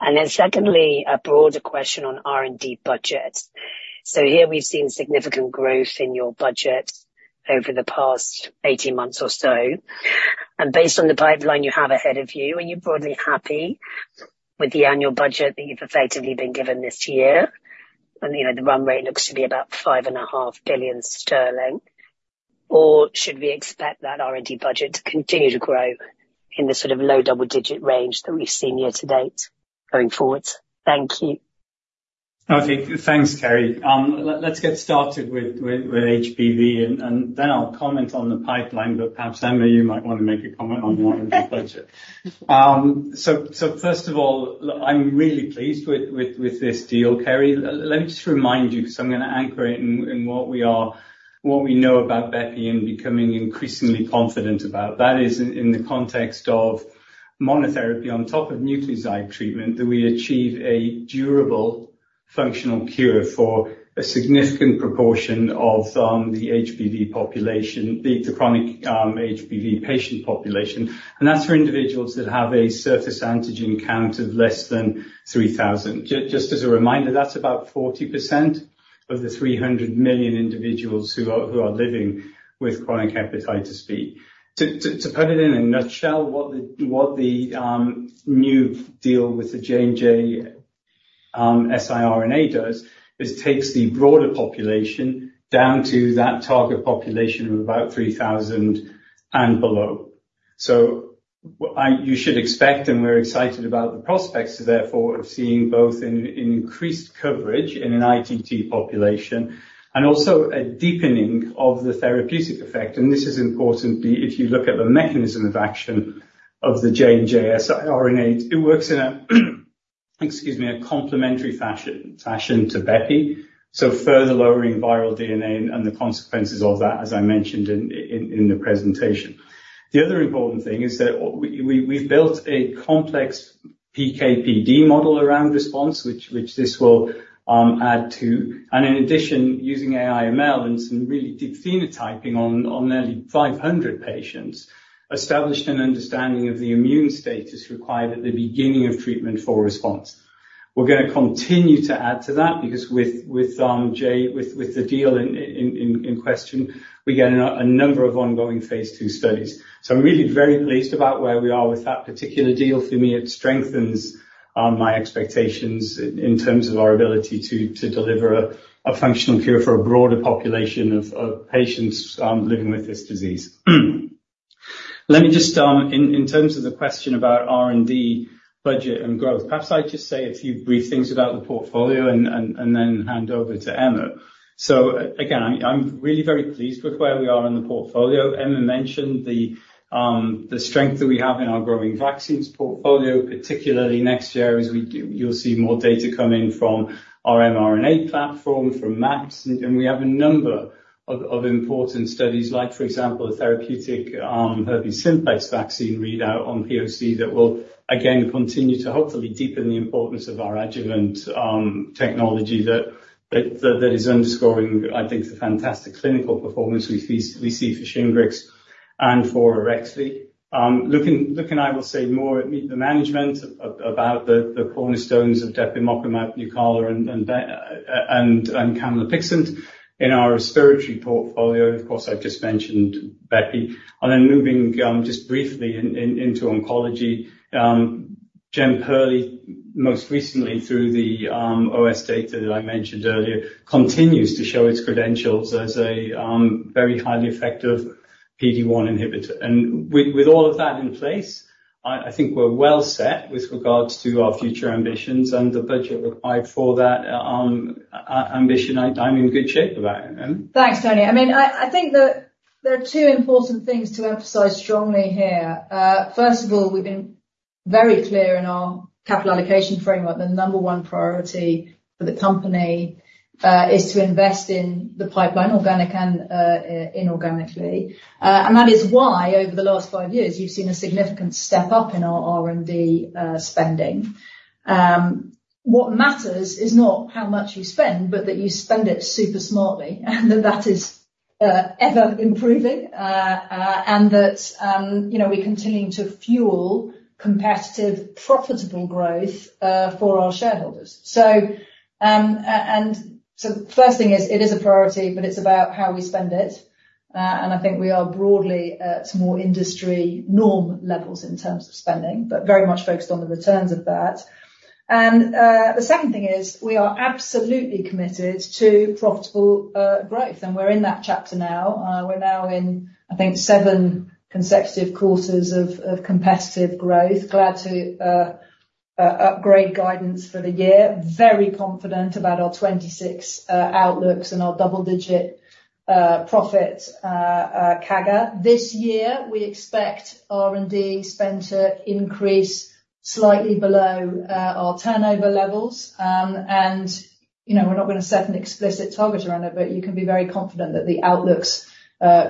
And then secondly, a broader question on R&D budget. So here we've seen significant growth in your budget over the past 18 months or so, and based on the pipeline you have ahead of you, are you broadly happy with the annual budget that you've effectively been given this year? You know, the run rate looks to be about 5.5 billion sterling. Or should we expect that R&D budget to continue to grow in the sort of low double-digit range that we've seen year to date going forward? Thank you.
Okay, thanks, Kerry. Let's get started with HBV, and then I'll comment on the pipeline, but perhaps, Emma, you might want to make a comment on R&D budget. So, first of all, look, I'm really pleased with this deal, Kerry. Let me just remind you, because I'm going to anchor it in what we are—what we know about bepi and becoming increasingly confident about. That is in the context of monotherapy on top of nucleoside treatment, that we achieve a durable functional cure for a significant proportion of the HBV population, the chronic HBV patient population. And that's for individuals that have a surface antigen count of less than 3,000. Just as a reminder, that's about 40% of the 300 million individuals who are living with chronic hepatitis B. To put it in a nutshell, what the new deal with the J&J siRNA does is takes the broader population down to that target population of about 3,000 and below. So you should expect, and we're excited about the prospects, therefore, of seeing both an increased coverage in an ITT population and also a deepening of the therapeutic effect. And this is important because if you look at the mechanism of action of the J&J siRNA, it works in a complementary fashion to bepi, so further lowering viral DNA and the consequences of that, as I mentioned in the presentation. The other important thing is that we've built a complex PK/PD model around response, which this will add to. In addition, using AI/ML and some really deep phenotyping on nearly 500 patients, established an understanding of the immune status required at the beginning of treatment for response. We're going to continue to add to that because with the deal in question, we get a number of ongoing phase II studies. So I'm really very pleased about where we are with that particular deal. For me, it strengthens my expectations in terms of our ability to deliver a functional cure for a broader population of patients living with this disease. Let me just in terms of the question about R&D budget and growth, perhaps I'd just say a few brief things about the portfolio and then hand over to Emma. So again, I'm really very pleased with where we are in the portfolio. Emma mentioned the strength that we have in our growing vaccines portfolio, particularly next year, as we do—you'll see more data coming from our mRNA platform, from MAPS. And we have a number of important studies, like, for example, a therapeutic herpes simplex vaccine readout on POC that will again continue to hopefully deepen the importance of our adjuvant technology that is underscoring, I think, the fantastic clinical performance we see for Shingrix and for Arexvy. Luke and I will say more at Meet the Management about the cornerstones of depemokimab, Nucala, and Breo and camlipixant in our respiratory portfolio. Of course, I've just mentioned bepi. Then moving just briefly into oncology, Jemperli, most recently through the OS data that I mentioned earlier, continues to show its credentials as a very highly effective PD-1 inhibitor. With all of that in place, I think we're well set with regards to our future ambitions and the budget required for that ambition. I'm in good shape for that. Emma?
Thanks, Tony. I mean, I think that there are two important things to emphasize strongly here. First of all, we've been very clear in our capital allocation framework, the number one priority for the company is to invest in the pipeline, organic and inorganically. And that is why, over the last five years, you've seen a significant step up in our R&D spending. What matters is not how much you spend, but that you spend it super smartly, and that is ever improving. And that, you know, we're continuing to fuel competitive, profitable growth for our shareholders. So, and so the first thing is, it is a priority, but it's about how we spend it. I think we are broadly at more industry norm levels in terms of spending, but very much focused on the returns of that. The second thing is, we are absolutely committed to profitable growth, and we're in that chapter now. We're now in, I think, 7 consecutive quarters of competitive growth. Glad to upgrade guidance for the year. Very confident about our 2026 outlooks and our double-digit profit CAGR. This year, we expect R&D spend to increase slightly below our turnover levels. You know, we're not gonna set an explicit target around it, but you can be very confident that the outlooks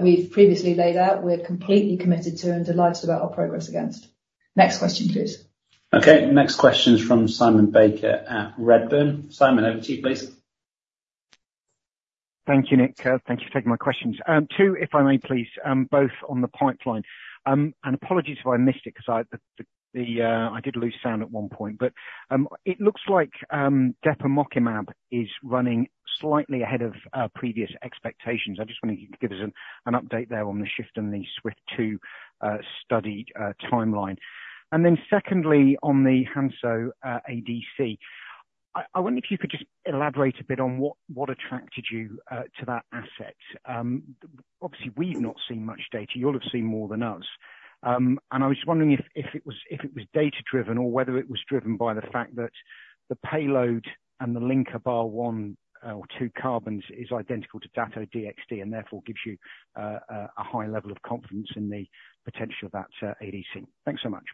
we've previously laid out, we're completely committed to and delighted about our progress against. Next question, please.
Okay, next question is from Simon Baker at Redburn. Simon, over to you, please.
Thank you, Nick. Thank you for taking my questions. Two, if I may please, both on the pipeline. And apologies if I missed it, 'cause I, I did lose sound at one point. But, it looks like, depemokimab is running slightly ahead of, previous expectations. I just wonder if you could give us an update there on the shift in the SWIFT-2 study timeline. And then secondly, on the Hansoh ADC, I wonder if you could just elaborate a bit on what attracted you to that asset. Obviously, we've not seen much data. You'll have seen more than us. And I was just wondering if it was data-driven or whether it was driven by the fact that the payload and the linker are one or two carbons is identical to Dato-DXd, and therefore gives you a high level of confidence in the potential of that ADC? Thanks so much.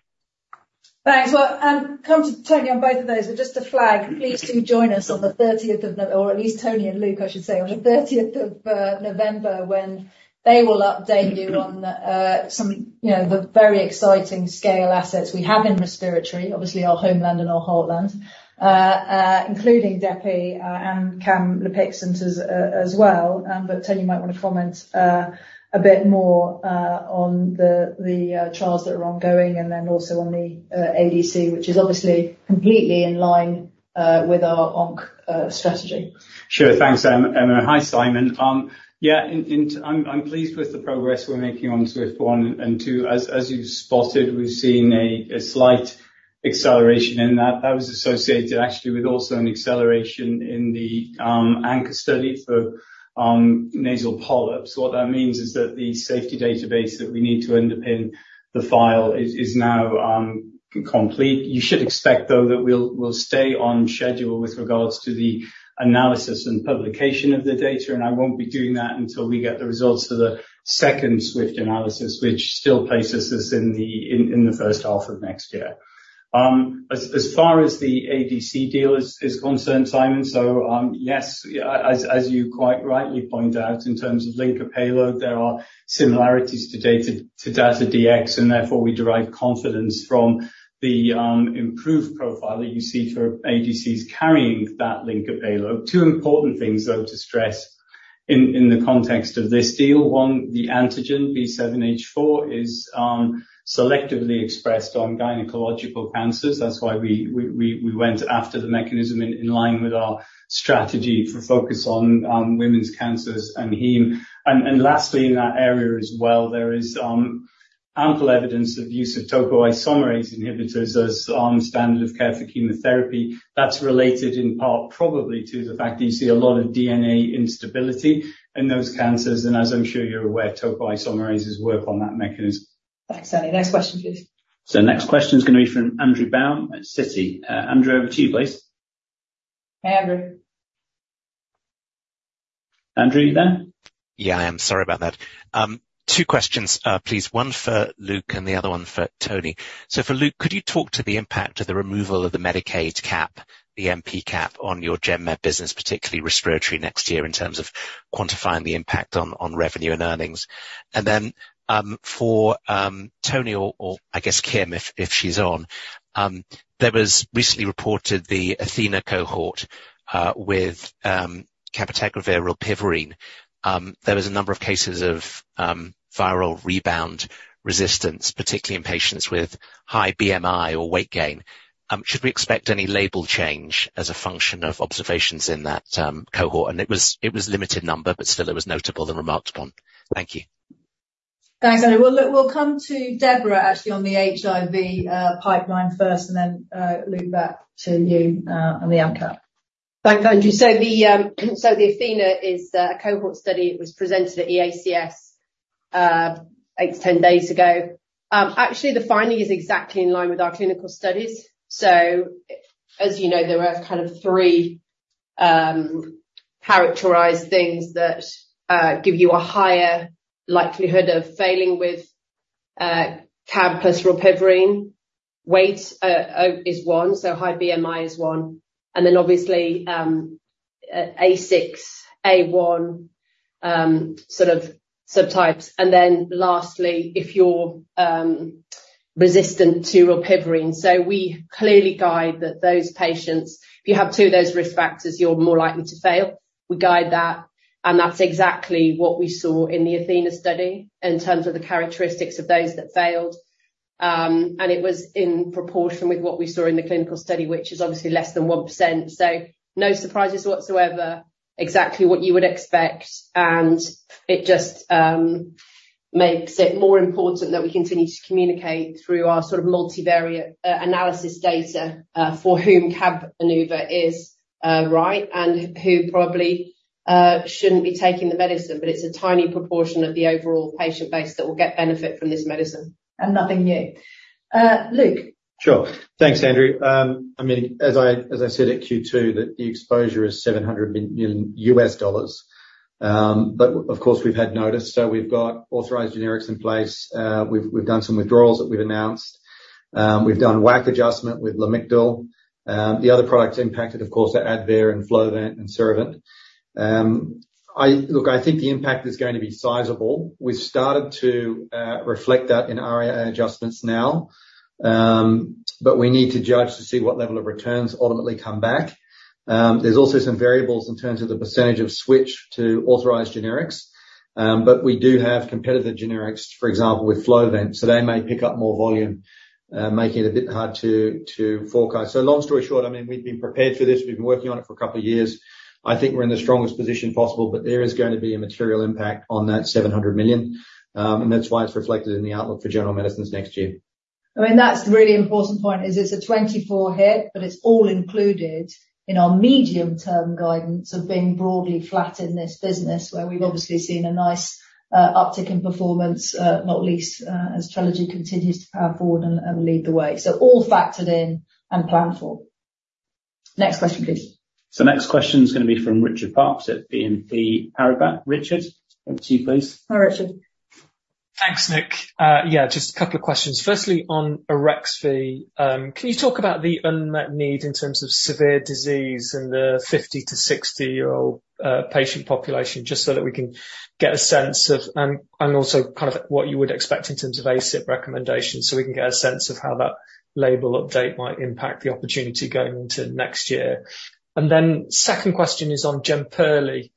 Thanks. Well, come to Tony on both of those, but just to flag, please do join us on the thirtieth of November—or at least Tony and Luke, I should say, on the thirtieth of November, when they will update you on some, you know, the very exciting scale assets we have in respiratory. Obviously, our homeland and our heartland. Including depemokimab and camlipixant, as well. But Tony, you might want to comment a bit more on the trials that are ongoing, and then also on the ADC, which is obviously completely in line with our onc strategy.
Sure. Thanks, Em, Emma. Hi, Simon. Yeah, I'm pleased with the progress we're making on SWIFT 1 and 2. As you've spotted, we've seen a slight acceleration, and that was associated actually with also an acceleration in the ANCHOR study for nasal polyps. What that means is that the safety database that we need to end up in the file is now complete. You should expect, though, that we'll stay on schedule with regards to the analysis and publication of the data, and I won't be doing that until we get the results of the second SWIFT analysis, which still places us in the first half of next year. As far as the ADC deal is concerned, Simon, so yes, yeah, as you quite rightly point out, in terms of linker payload, there are similarities to DXd, and therefore we derive confidence from the improved profile that you see for ADCs carrying that linker payload. Two important things, though, to stress in the context of this deal. One, the antigen B7-H4 is selectively expressed on gynecological cancers. That's why we went after the mechanism in line with our strategy for focus on women's cancers and heme. And lastly, in that area as well, there is ample evidence of use of topoisomerase inhibitors as standard of care for chemotherapy. That's related in part, probably due to the fact that you see a lot of DNA instability in those cancers, and as I'm sure you're aware, topoisomerases work on that mechanism.
Thanks, Tony. Next question, please.
Next question is gonna be from Andrew Baum at Citi. Andrew, over to you, please.
Hi, Andrew.
Andrew, you there?
Yeah, I am. Sorry about that. Two questions, please. One for Luke and the other one for Tony. So for Luke, could you talk to the impact of the removal of the Medicaid cap, the AMP cap, on your Gen Med business, particularly respiratory, next year, in terms of quantifying the impact on revenue and earnings? And then, for Tony or I guess Kim, if she's on, there was recently reported the ATHENA cohort with cabotegravir rilpivirine. There was a number of cases of viral rebound resistance, particularly in patients with high BMI or weight gain. Should we expect any label change as a function of observations in that cohort? And it was limited number, but still it was notable and remarked upon. Thank you.
Thanks, Andrew. We'll look, we'll come to Deborah, actually, on the HIV pipeline first, and then loop back to you on the uncap.
Thanks, Andrew. So the ATHENA is a cohort study. It was presented at EACS 8-10 days ago. Actually, the finding is exactly in line with our clinical studies. So as you know, there were kind of three characterized things that give you a higher likelihood of failing with Cabenuva plus rilpivirine. Weight is one, so high BMI is one, and then obviously A6, A1 sort of subtypes. And then lastly, if you're resistant to rilpivirine. So we clearly guide that those patients, if you have two of those risk factors, you're more likely to fail. We guide that, and that's exactly what we saw in the ATHENA study in terms of the characteristics of those that failed. And it was in proportion with what we saw in the clinical study, which is obviously less than 1%. So no surprises whatsoever. Exactly what you would expect, and it just makes it more important that we continue to communicate through our sort of multivariate analysis data for whom Cabenuva is right, and who probably shouldn't be taking the medicine. But it's a tiny proportion of the overall patient base that will get benefit from this medicine.
And nothing new. Luke?
Sure. Thanks, Andrew. I mean, as I said at Q2, that the exposure is $700 million. But of course, we've had notice, so we've got authorized generics in place. We've done some withdrawals that we've announced. We've done WAC adjustment with Lamictal. The other products impacted, of course, are Advair and Flovent and Serevent. I look, I think the impact is going to be sizable. We've started to reflect that in our adjustments now, but we need to judge to see what level of returns ultimately come back. There's also some variables in terms of the percentage of switch to authorized generics, but we do have competitive generics, for example, with Flovent, so they may pick up more volume, making it a bit hard to forecast. So long story short, I mean, we've been prepared for this. We've been working on it for a couple of years. I think we're in the strongest position possible, but there is going to be a material impact on that 700 million, and that's why it's reflected in the outlook for General Medicines next year.
I mean, that's the really important point, is it's a 24 hit, but it's all included in our medium-term guidance of being broadly flat in this business, where we've obviously seen a nice uptick in performance, not least, as Trelegy continues to power forward and lead the way. So all factored in and planned for. Next question, please.
Next question is going to be from Richard Parkes at BNP Paribas. Richard, over to you, please.
Hi, Richard.
Thanks, Nick. Yeah, just a couple of questions. Firstly, on Arexvy, can you talk about the unmet need in terms of severe disease in the 50- to 60-year-old patient population, just so that we can get a sense of—and also kind of what you would expect in terms of ACIP recommendations, so we can get a sense of how that label update might impact the opportunity going into next year? Then second question is on Jemperli.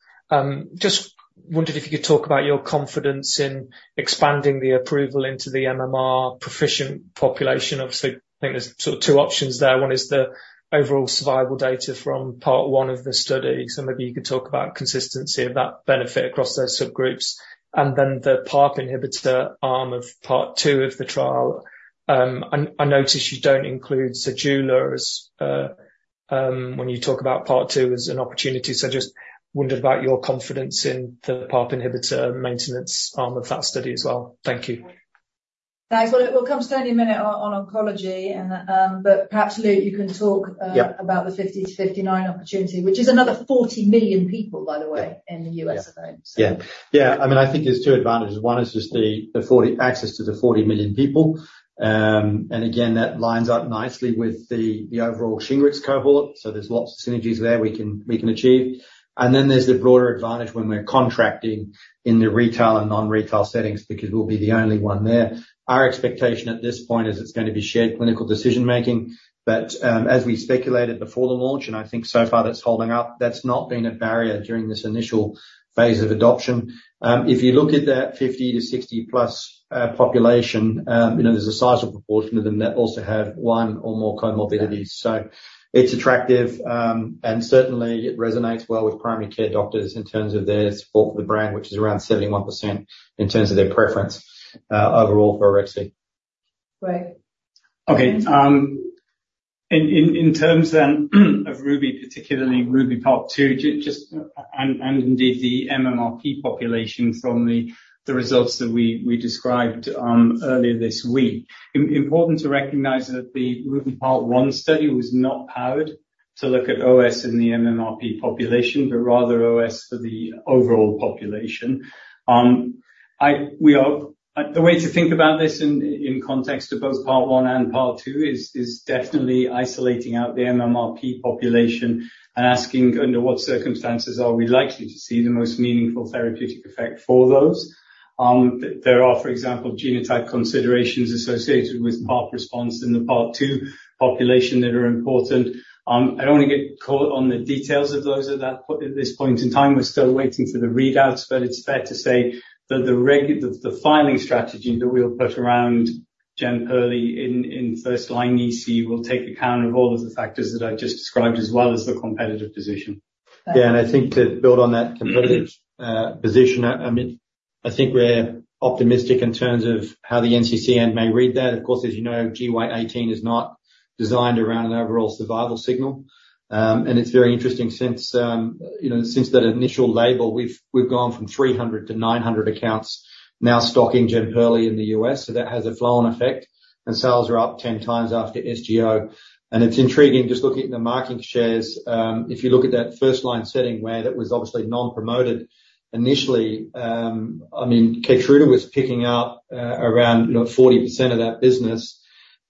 Just wondered if you could talk about your confidence in expanding the approval into the pMMR proficient population. Obviously, I think there's sort of two options there. One is the overall survival data from part one of the study, so maybe you could talk about consistency of that benefit across those subgroups, and then the PARP inhibitor arm of part two of the trial. I notice you don't include Zejula as, when you talk about part two as an opportunity, so I just wondered about your confidence in the PARP inhibitor maintenance arm of that study as well. Thank you.
Thanks. Well, we'll come to Tony a minute on, on oncology, and, but perhaps, Luke, you can talk about the 50-59 opportunity, which is another 40 million people, by the way, in the U.S. alone, so.
Yeah. Yeah, I mean, I think there's two advantages. One is just the 40 million access to the 40 million people. And again, that lines up nicely with the overall Shingrix cohort, so there's lots of synergies there we can achieve. And then there's the broader advantage when we're contracting in the retail and non-retail settings because we'll be the only one there. Our expectation at this point is it's going to be shared clinical decision-making, but as we speculated before the launch, and I think so far that's holding up, that's not been a barrier during this initial phase of adoption. If you look at that 50 to 60+ population, you know, there's a sizable proportion of them that also have one or more comorbidities. So it's attractive, and certainly it resonates well with primary care doctors in terms of their support for the brand, which is around 71% in terms of their preference, overall for Arexvy.
Great.
Okay, in terms then of RUBY, particularly RUBY Part 2, just and indeed, the dMMR population from the results that we described earlier this week. Important to recognize that the RUBY Part 1 study was not powered to look at OS in the dMMR population, but rather OS for the overall population. The way to think about this in context of both Part 1 and Part 2 is definitely isolating out the dMMR population and asking, under what circumstances are we likely to see the most meaningful therapeutic effect for those? There are, for example, genotype considerations associated with PARP response in the Part 2 population that are important. I don't want to get caught on the details of those at this point in time. We're still waiting for the readouts, but it's fair to say that the filing strategy that we'll put around Jemperli in first-line EC will take account of all of the factors that I just described, as well as the competitive position.
Thanks.
Yeah, and I think to build on that competitive position, I mean, I think we're optimistic in terms of how the NCCN may read that. Of course, as you know, GY018 is not designed around an overall survival signal. And it's very interesting since, you know, since that initial label, we've gone from 300 to 900 accounts now stocking Jemperli in the U.S., so that has a flow-on effect, and sales are up 10x after SGO. And it's intriguing just looking at the market shares. If you look at that first-line setting where that was obviously non-promoted initially, I mean, Keytruda was picking up around, you know, 40% of that business.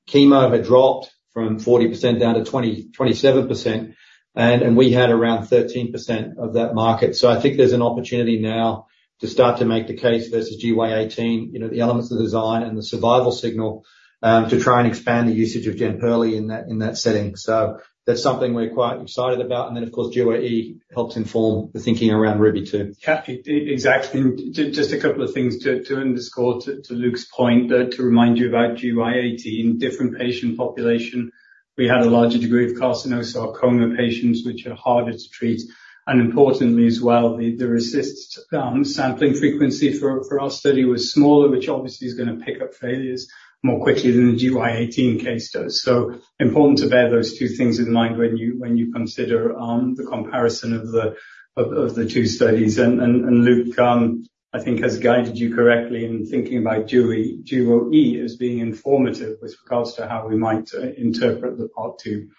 Chemo had dropped from 40% down to 20%-27%, and we had around 13% of that market. So I think there's an opportunity now to start to make the case versus GY018, you know, the elements of the design and the survival signal, to try and expand the usage of Jemperli in that, in that setting. So that's something we're quite excited about. And then, of course, GY018 helps inform the thinking around Ruby, too.
Yeah, exactly. Just a couple of things to underscore to Luke's point, to remind you about GY018. Different patient population, we had a larger degree of carcinosarcoma patients, which are harder to treat, and importantly, as well, the RECIST sampling frequency for our study was smaller, which obviously is gonna pick up failures more quickly than the GY018 case does. So important to bear those two things in mind when you consider the comparison of the two studies. And Luke, I think, has guided you correctly in thinking about GY018 as being informative with regards to how we might interpret the part two.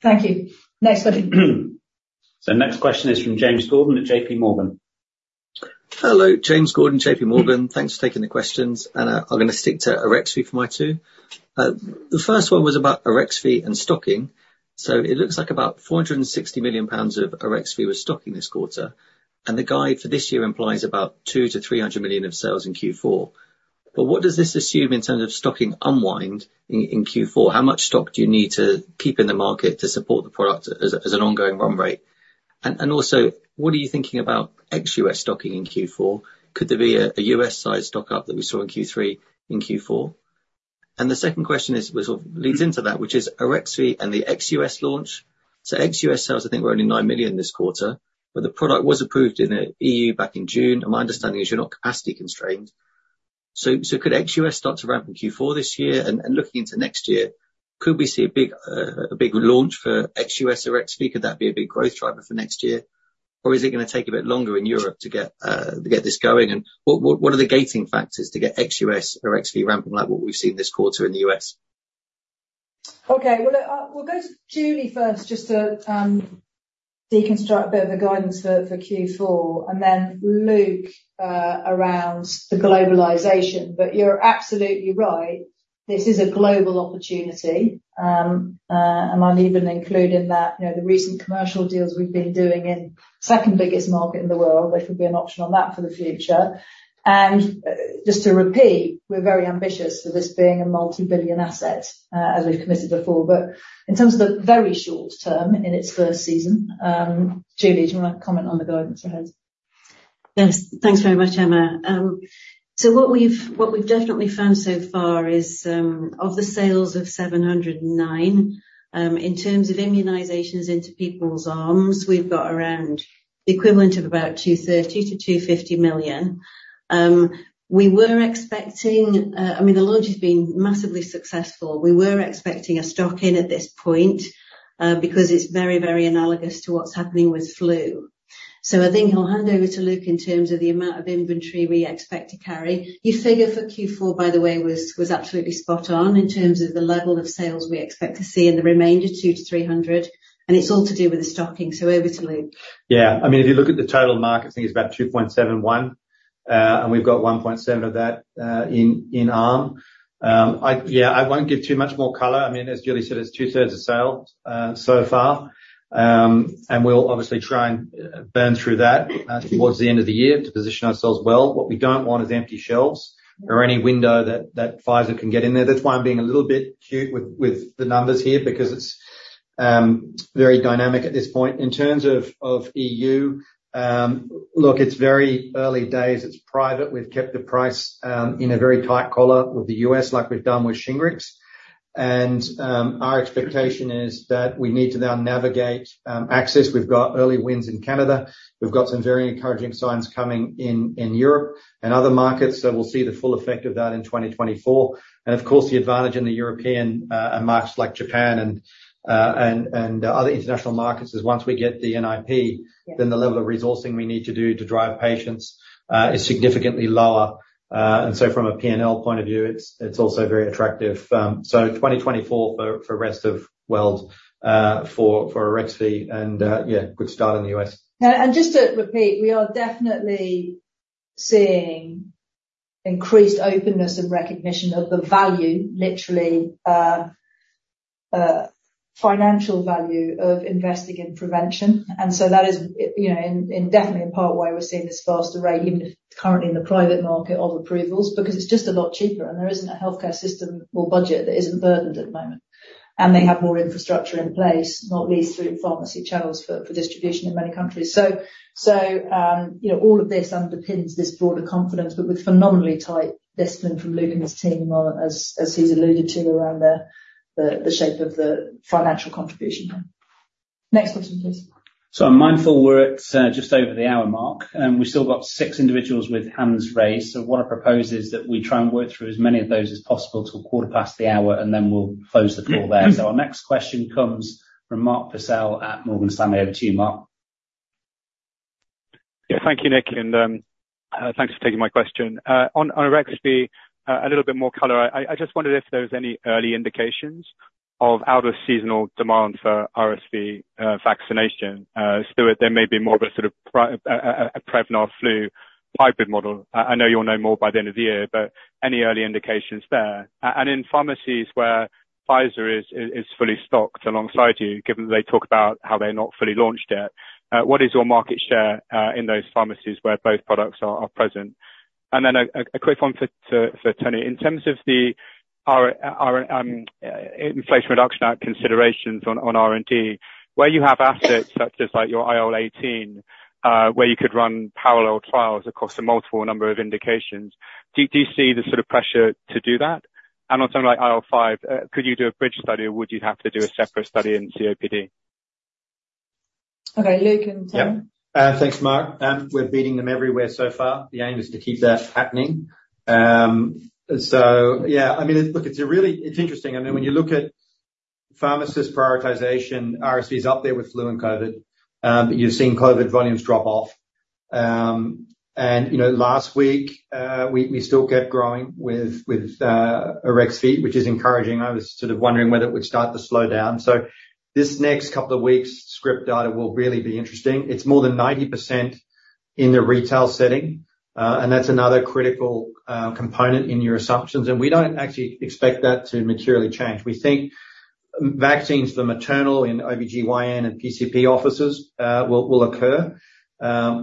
Thank you. Next question.
Next question is from James Gordon at J.P. Morgan.
Hello, James Gordon, JP Morgan. Thanks for taking the questions, and I'm gonna stick to Arexvy for my two. The first one was about Arexvy and stocking. So it looks like about 460 million pounds of Arexvy was stocking this quarter, and the guide for this year implies about 200 million-300 million of sales in Q4. But what does this assume in terms of stocking unwind in Q4? How much stock do you need to keep in the market to support the product as an ongoing run rate? And also, what are you thinking about ex-US stocking in Q4? Could there be a US-sized stock-up that we saw in Q3, in Q4? And the second question is, which sort of leads into that, which is Arexvy and the ex-US launch. So ex-U.S. sales, I think, were only 9 million this quarter, but the product was approved in the E.U. back in June, and my understanding is you're not capacity constrained. So, so could ex-U.S. start to ramp in Q4 this year? And, and looking into next year, could we see a big, a big launch for ex-U.S. Arexvy? Could that be a big growth driver for next year, or is it gonna take a bit longer in Europe to get, to get this going? And what, what, what are the gating factors to get ex-U.S. Arexvy ramping like what we've seen this quarter in the U.S.?
Okay. Well, we'll go to Julie first, just to deconstruct a bit of the guidance for Q4, and then Luke around the globalization. But you're absolutely right, this is a global opportunity. And I'll even include in that, you know, the recent commercial deals we've been doing in second biggest market in the world. There could be an option on that for the future. And just to repeat, we're very ambitious for this being a multi-billion asset, as we've committed before. But in terms of the very short term, in its first season, Julie, do you want to comment on the guidance ahead?
Yes. Thanks very much, Emma. So what we've, what we've definitely found so far is, of the sales of 709, in terms of immunizations into people's arms, we've got around the equivalent of about 230-250 million. We were expecting—I mean, the launch has been massively successful. We were expecting a stock-in at this point, because it's very, very analogous to what's happening with flu. So I think I'll hand over to Luke in terms of the amount of inventory we expect to carry. Your figure for Q4, by the way, was, was absolutely spot on in terms of the level of sales we expect to see in the remainder, 200-300, and it's all to do with the stocking. So over to Luke.
Yeah. I mean, if you look at the total market, I think it's about 2.71, and we've got 1.7 of that in arm. Yeah, I won't give too much more color. I mean, as Julie said, it's 2/3 of sales so far. And we'll obviously try and burn through that towards the end of the year to position ourselves well. What we don't want is empty shelves or any window that Pfizer can get in there. That's why I'm being a little bit cute with the numbers here, because it's very dynamic at this point. In terms of E.U., look, it's very early days. It's private. We've kept the price in a very tight collar with the U.S., like we've done with Shingrix. Our expectation is that we need to now navigate access. We've got early wins in Canada. We've got some very encouraging signs coming in in Europe and other markets, so we'll see the full effect of that in 2024. And of course, the advantage in the European and markets like Japan and other international markets is once we get the NIP, then the level of resourcing we need to do to drive patients is significantly lower. And so from a P&L point of view, it's also very attractive. So 2024 for rest of world for Arexvy, and yeah, good start in the U.S.
And just to repeat, we are definitely seeing increased openness and recognition of the value, literally, financial value of investing in prevention. So that is, you know, indeed in part why we're seeing this faster rate, even if it's currently in the private market of approvals, because it's just a lot cheaper, and there isn't a healthcare system or budget that isn't burdened at the moment. They have more infrastructure in place, not least through pharmacy channels for distribution in many countries. So, you know, all of this underpins this broader confidence, but with phenomenally tight discipline from Luke and his team, as he's alluded to around the shape of the financial contribution. Next question, please.
I'm mindful we're at just over the hour mark, and we've still got six individuals with hands raised. What I propose is that we try and work through as many of those as possible till quarter past the hour, and then we'll close the call there. Our next question comes from Mark Purcell at Morgan Stanley. Over to you, Mark.
Yeah. Thank you, Nick, and, thanks for taking my question. On Arexvy, a little bit more color. I just wondered if there was any early indications of out of seasonal demand for RSV vaccination. Still, there may be more of a sort of pri—a Prevnar flu hybrid model. I know you'll know more by the end of the year, but any early indications there? And in pharmacies where Pfizer is fully stocked alongside you, given that they talk about how they're not fully launched yet, what is your market share in those pharmacies where both products are present? And then a quick one for Tony. In terms of the IRA, Inflation Reduction Act considerations on R&D, where you have assets such as, like, your IL-18, where you could run parallel trials across a multiple number of indications, do you see the sort of pressure to do that? And on something like IL-5, could you do a bridge study, or would you have to do a separate study in COPD?
Okay, Luke and Tony.
Yeah. Thanks, Mark. We're beating them everywhere so far. The aim is to keep that happening. So yeah, I mean, look, it's a really—it's interesting. I mean, when you look at pharmacist prioritization, RSV is up there with flu and COVID, but you've seen COVID volumes drop off. And, you know, last week, we still kept growing with Arexvy, which is encouraging. I was sort of wondering whether it would start to slow down. So this next couple of weeks, script data will really be interesting. It's more than 90% in the retail setting, and that's another critical component in your assumptions. And we don't actually expect that to materially change. We think vaccines for maternal in OBGYN and PCP offices will occur,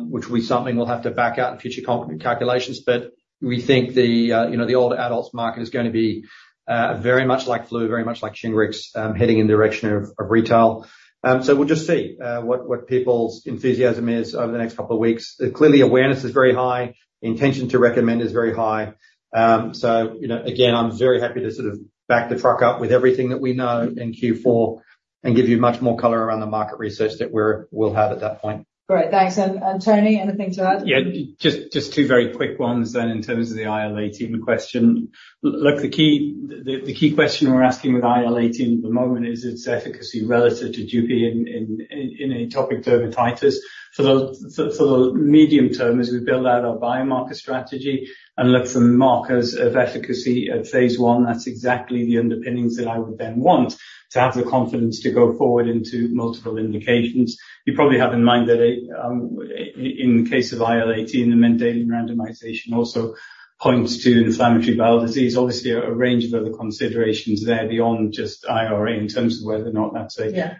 which will be something we'll have to back out in future calculations. But we think you know, the older adults market is gonna be very much like flu, very much like Shingrix, heading in the direction of retail. So we'll just see what people's enthusiasm is over the next couple of weeks. Clearly, awareness is very high. The intention to recommend is very high. So you know, again, I'm very happy to sort of back the truck up with everything that we know in Q4 and give you much more color around the market research that we'll have at that point.
Great. Thanks. And Tony, anything to add?
Yeah, just two very quick ones then, in terms of the IL-18 question. Look, the key question we're asking with IL-18 at the moment is its efficacy relative to Dupi in atopic dermatitis. For the medium term, as we build out our biomarker strategy and look for markers of efficacy at phase I, that's exactly the underpinnings that I would then want to have the confidence to go forward into multiple indications. You probably have in mind that, in case of IL-18, the mandating randomization also points to inflammatory bowel disease. Obviously, a range of other considerations there beyond just IRA, in terms of whether or not that's a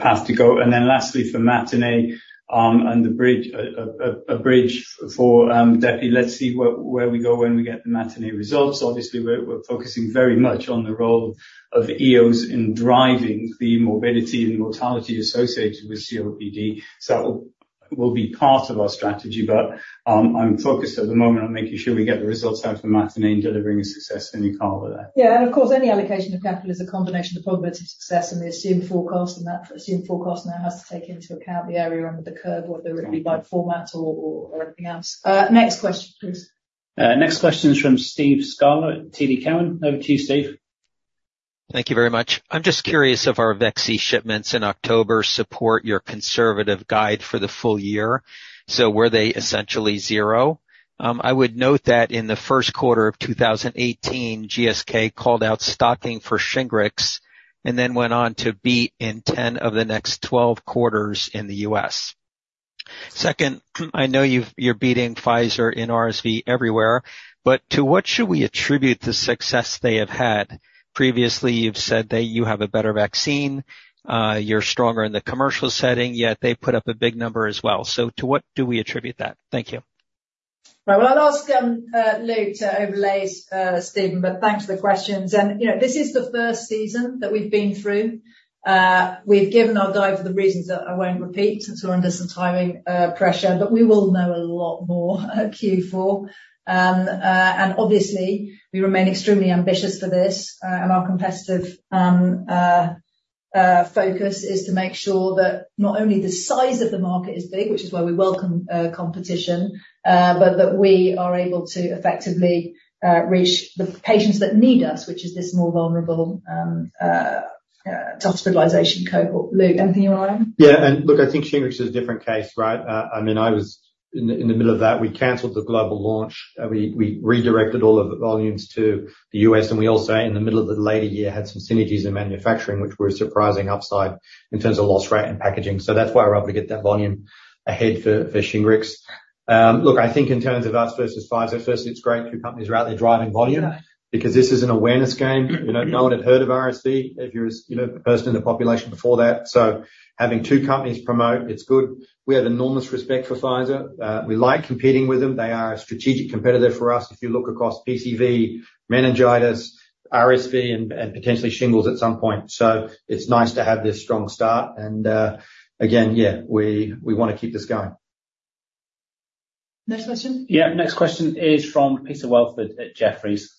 path to go. And then lastly, for MATINEE, and the bridge, a bridge for Depi, let's see where we go when we get the MATINEE results. Obviously, we're focusing very much on the role of EOs in driving the morbidity and mortality associated with COPD. So that will be part of our strategy, but, I'm focused at the moment on making sure we get the results out of the MATINEE and delivering a success. Emma, any color to that?
Yeah, and of course, any allocation of capital is a combination of probability of success and the assumed forecast, and that assumed forecast now has to take into account the area under the curve, whether it be by format or, or, or anything else. Next question, please.
Next question is from Steve Scala at TD Cowen. Over to you, Steve.
Thank you very much. I'm just curious if our ViiV shipments in October support your conservative guide for the full-year. So were they essentially zero? I would note that in the first quarter of 2018, GSK called out stocking for Shingrix and then went on to beat in 10 of the next 12 quarters in the U.S. Second, I know you're beating Pfizer in RSV everywhere, but to what should we attribute the success they have had? Previously, you've said that you have a better vaccine, you're stronger in the commercial setting, yet they've put up a big number as well. So to what do we attribute that? Thank you.
Well, I'll ask Luke to overlay, Steve, but thanks for the questions. You know, this is the first season that we've been through. We've given our guide for the reasons that I won't repeat, since we're under some timing pressure, but we will know a lot more at Q4. Obviously, we remain extremely ambitious for this, and our competitive focus is to make sure that not only the size of the market is big, which is why we welcome competition, but that we are able to effectively reach the patients that need us, which is this more vulnerable to hospitalization cohort. Luke, anything you want to add?
Yeah, and look, I think Shingrix is a different case, right? I mean, I was in the middle of that. We canceled the global launch, and we redirected all of the volumes to the U.S., and we also, in the middle of the later year, had some synergies in manufacturing, which were a surprising upside in terms of loss rate and packaging. So that's why we're able to get that volume ahead for Shingrix. Look, I think in terms of us versus Pfizer, firstly, it's great two companies are out there driving volume, because this is an awareness game. You know, no one had heard of RSV if you're, as, you know, a person in the population before that. So having two companies promote, it's good. We have enormous respect for Pfizer. We like competing with them. They are a strategic competitor for us, if you look across PCV, meningitis, RSV, and potentially shingles at some point. So it's nice to have this strong start, and again, yeah, we wanna keep this going.
Next question?
Yeah, next question is from Peter Welford at Jefferies.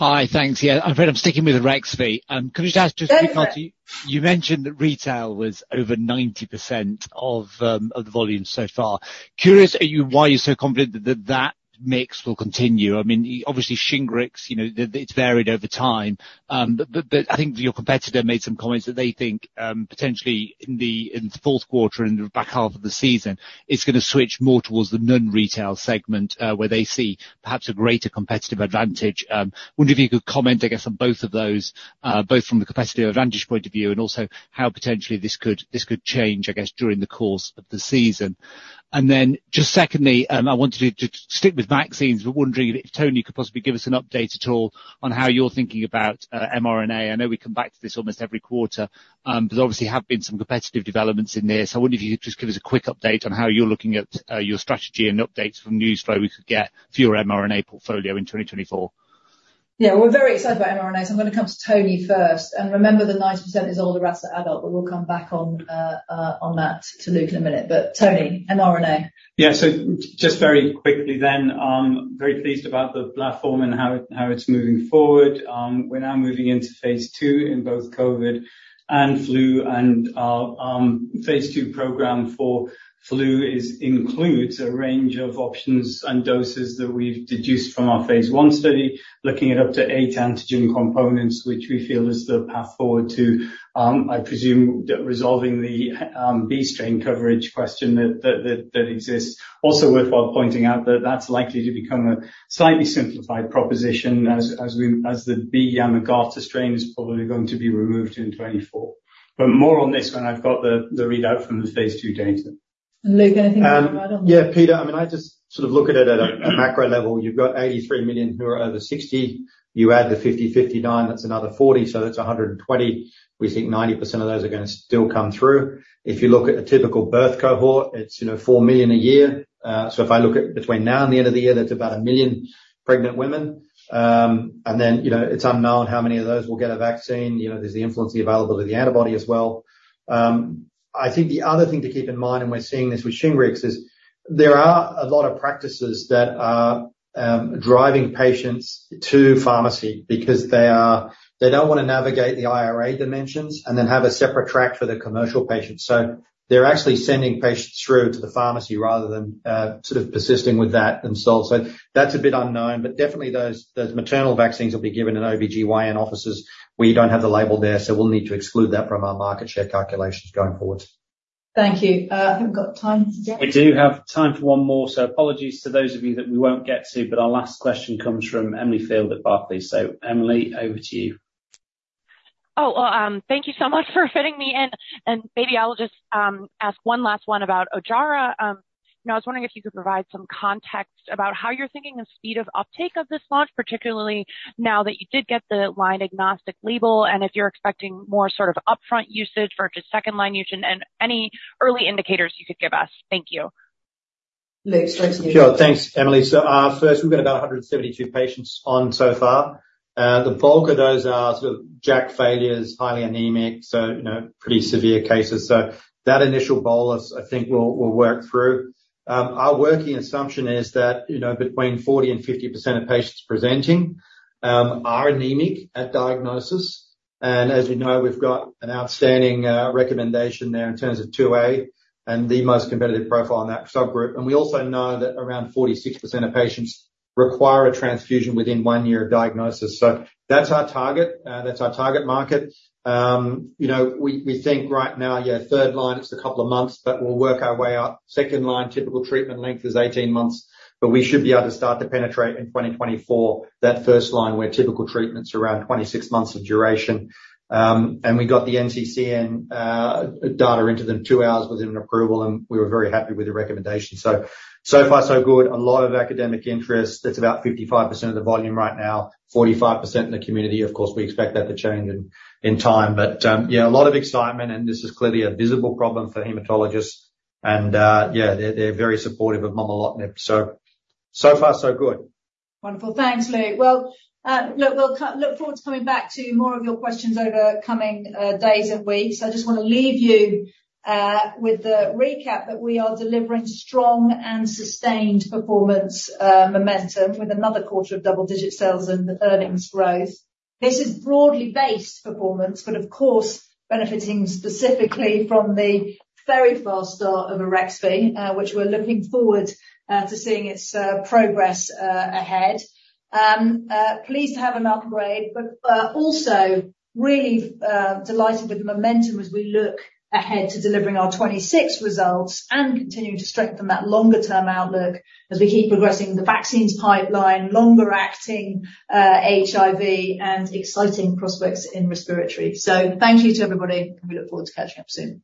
Hi, thanks. Yeah, I'm afraid I'm sticking with Arexvy. Can I just ask quickly, you mentioned that retail was over 90% of the volume so far. Curious, why are you so confident that that mix will continue? I mean, obviously, Shingrix, you know, it, it's varied over time. But I think your competitor made some comments that they think potentially in the fourth quarter and the back half of the season, it's gonna switch more towards the non-retail segment, where they see perhaps a greater competitive advantage. Wonder if you could comment, I guess, on both of those, both from the competitive advantage point of view and also how potentially this could change, I guess, during the course of the season. And then just secondly, I wanted to stick with vaccines. We're wondering if, Tony, could possibly give us an update at all on how you're thinking about mRNA. I know we come back to this almost every quarter, but obviously have been some competitive developments in there. So I wonder if you could just give us a quick update on how you're looking at your strategy and updates from news flow we could get for your mRNA portfolio in 2024?
Yeah, we're very excited about mRNAs. I'm going to come to Tony first, and remember, the 90% is all the rest at adult, but we'll come back on, on that to Luke in a minute. But Tony, mRNA.
Yeah. Just very quickly then, very pleased about the platform and how it, how it's moving forward. We're now moving into phase II in both COVID and flu, and our phase II program for flu includes a range of options and doses that we've deduced from our phase I study, looking at up to 8 antigen components, which we feel is the path forward to, I presume, that resolving the B strain coverage question that exists. Also worthwhile pointing out that that's likely to become a slightly simplified proposition as the B/Yamagata strain is probably going to be removed in 2024. But more on this when I've got the readout from the phase II data.
Luke, anything to add on?
Yeah, Peter, I mean, I just sort of look at it at a macro level. You've got 83 million who are over 60. You add the 50-59, that's another 40, so that's 120. We think 90% of those are gonna still come through. If you look at a typical birth cohort, it's, you know, 4 million a year. So if I look at between now and the end of the year, that's about 1 million pregnant women. And then, you know, it's unknown how many of those will get a vaccine. You know, there's the influenza available to the antibody as well. I think the other thing to keep in mind, and we're seeing this with Shingrix, is there are a lot of practices that are driving patients to pharmacy because they are—they don't want to navigate the IRA dimensions and then have a separate track for their commercial patients. So they're actually sending patients through to the pharmacy rather than sort of persisting with that themselves. So that's a bit unknown, but definitely those, those maternal vaccines will be given in OBGYN offices, where you don't have the label there, so we'll need to exclude that from our market share calculations going forward.
Thank you. Have we got time for—
We do have time for one more, so apologies to those of you that we won't get to, but our last question comes from Emily Field at Barclays. So Emily, over to you.
Oh, well, thank you so much for fitting me in. Maybe I'll just ask one last one about Ojjaara. I was wondering if you could provide some context about how you're thinking of speed of uptake of this launch, particularly now that you did get the line-agnostic label, and if you're expecting more sort of upfront usage versus second line usage and any early indicators you could give us? Thank you.
Luke, straight to you.
Sure. Thanks, Emily. So, first, we've got about 172 patients on so far. The bulk of those are sort of JAK failures, highly anemic, so, you know, pretty severe cases. So that initial bolus, I think, we'll work through. Our working assumption is that, you know, between 40%-50% of patients presenting are anemic at diagnosis. And as you know, we've got an outstanding recommendation there in terms of 2A and the most competitive profile in that subgroup. And we also know that around 46% of patients require a transfusion within one year of diagnosis. So that's our target. That's our target market. You know, we think right now, yeah, third line, it's a couple of months, but we'll work our way up. Second line, typical treatment length is 18 months, but we should be able to start to penetrate in 2024. That first line, where typical treatment is around 26 months of duration. And we got the NCCN data into them two hours within an approval, and we were very happy with the recommendation. So, so far, so good. A lot of academic interest. That's about 55% of the volume right now, 45% in the community. Of course, we expect that to change in time. But, yeah, a lot of excitement, and this is clearly a visible problem for hematologists. And, yeah, they're very supportive of momelotinib. So, so far, so good.
Wonderful. Thanks, Luke. Well, look, we'll look forward to coming back to more of your questions over coming days and weeks. I just want to leave you with the recap that we are delivering strong and sustained performance momentum with another quarter of double-digit sales and earnings growth. This is broadly based performance, but of course, benefiting specifically from the very fast start of Arexvy, which we're looking forward to seeing its progress ahead. Pleased to have an upgrade, but also really delighted with the momentum as we look ahead to delivering our 2026 results and continuing to strengthen that longer-term outlook as we keep progressing the vaccines pipeline, longer-acting HIV, and exciting prospects in respiratory. So thank you to everybody, and we look forward to catching up soon.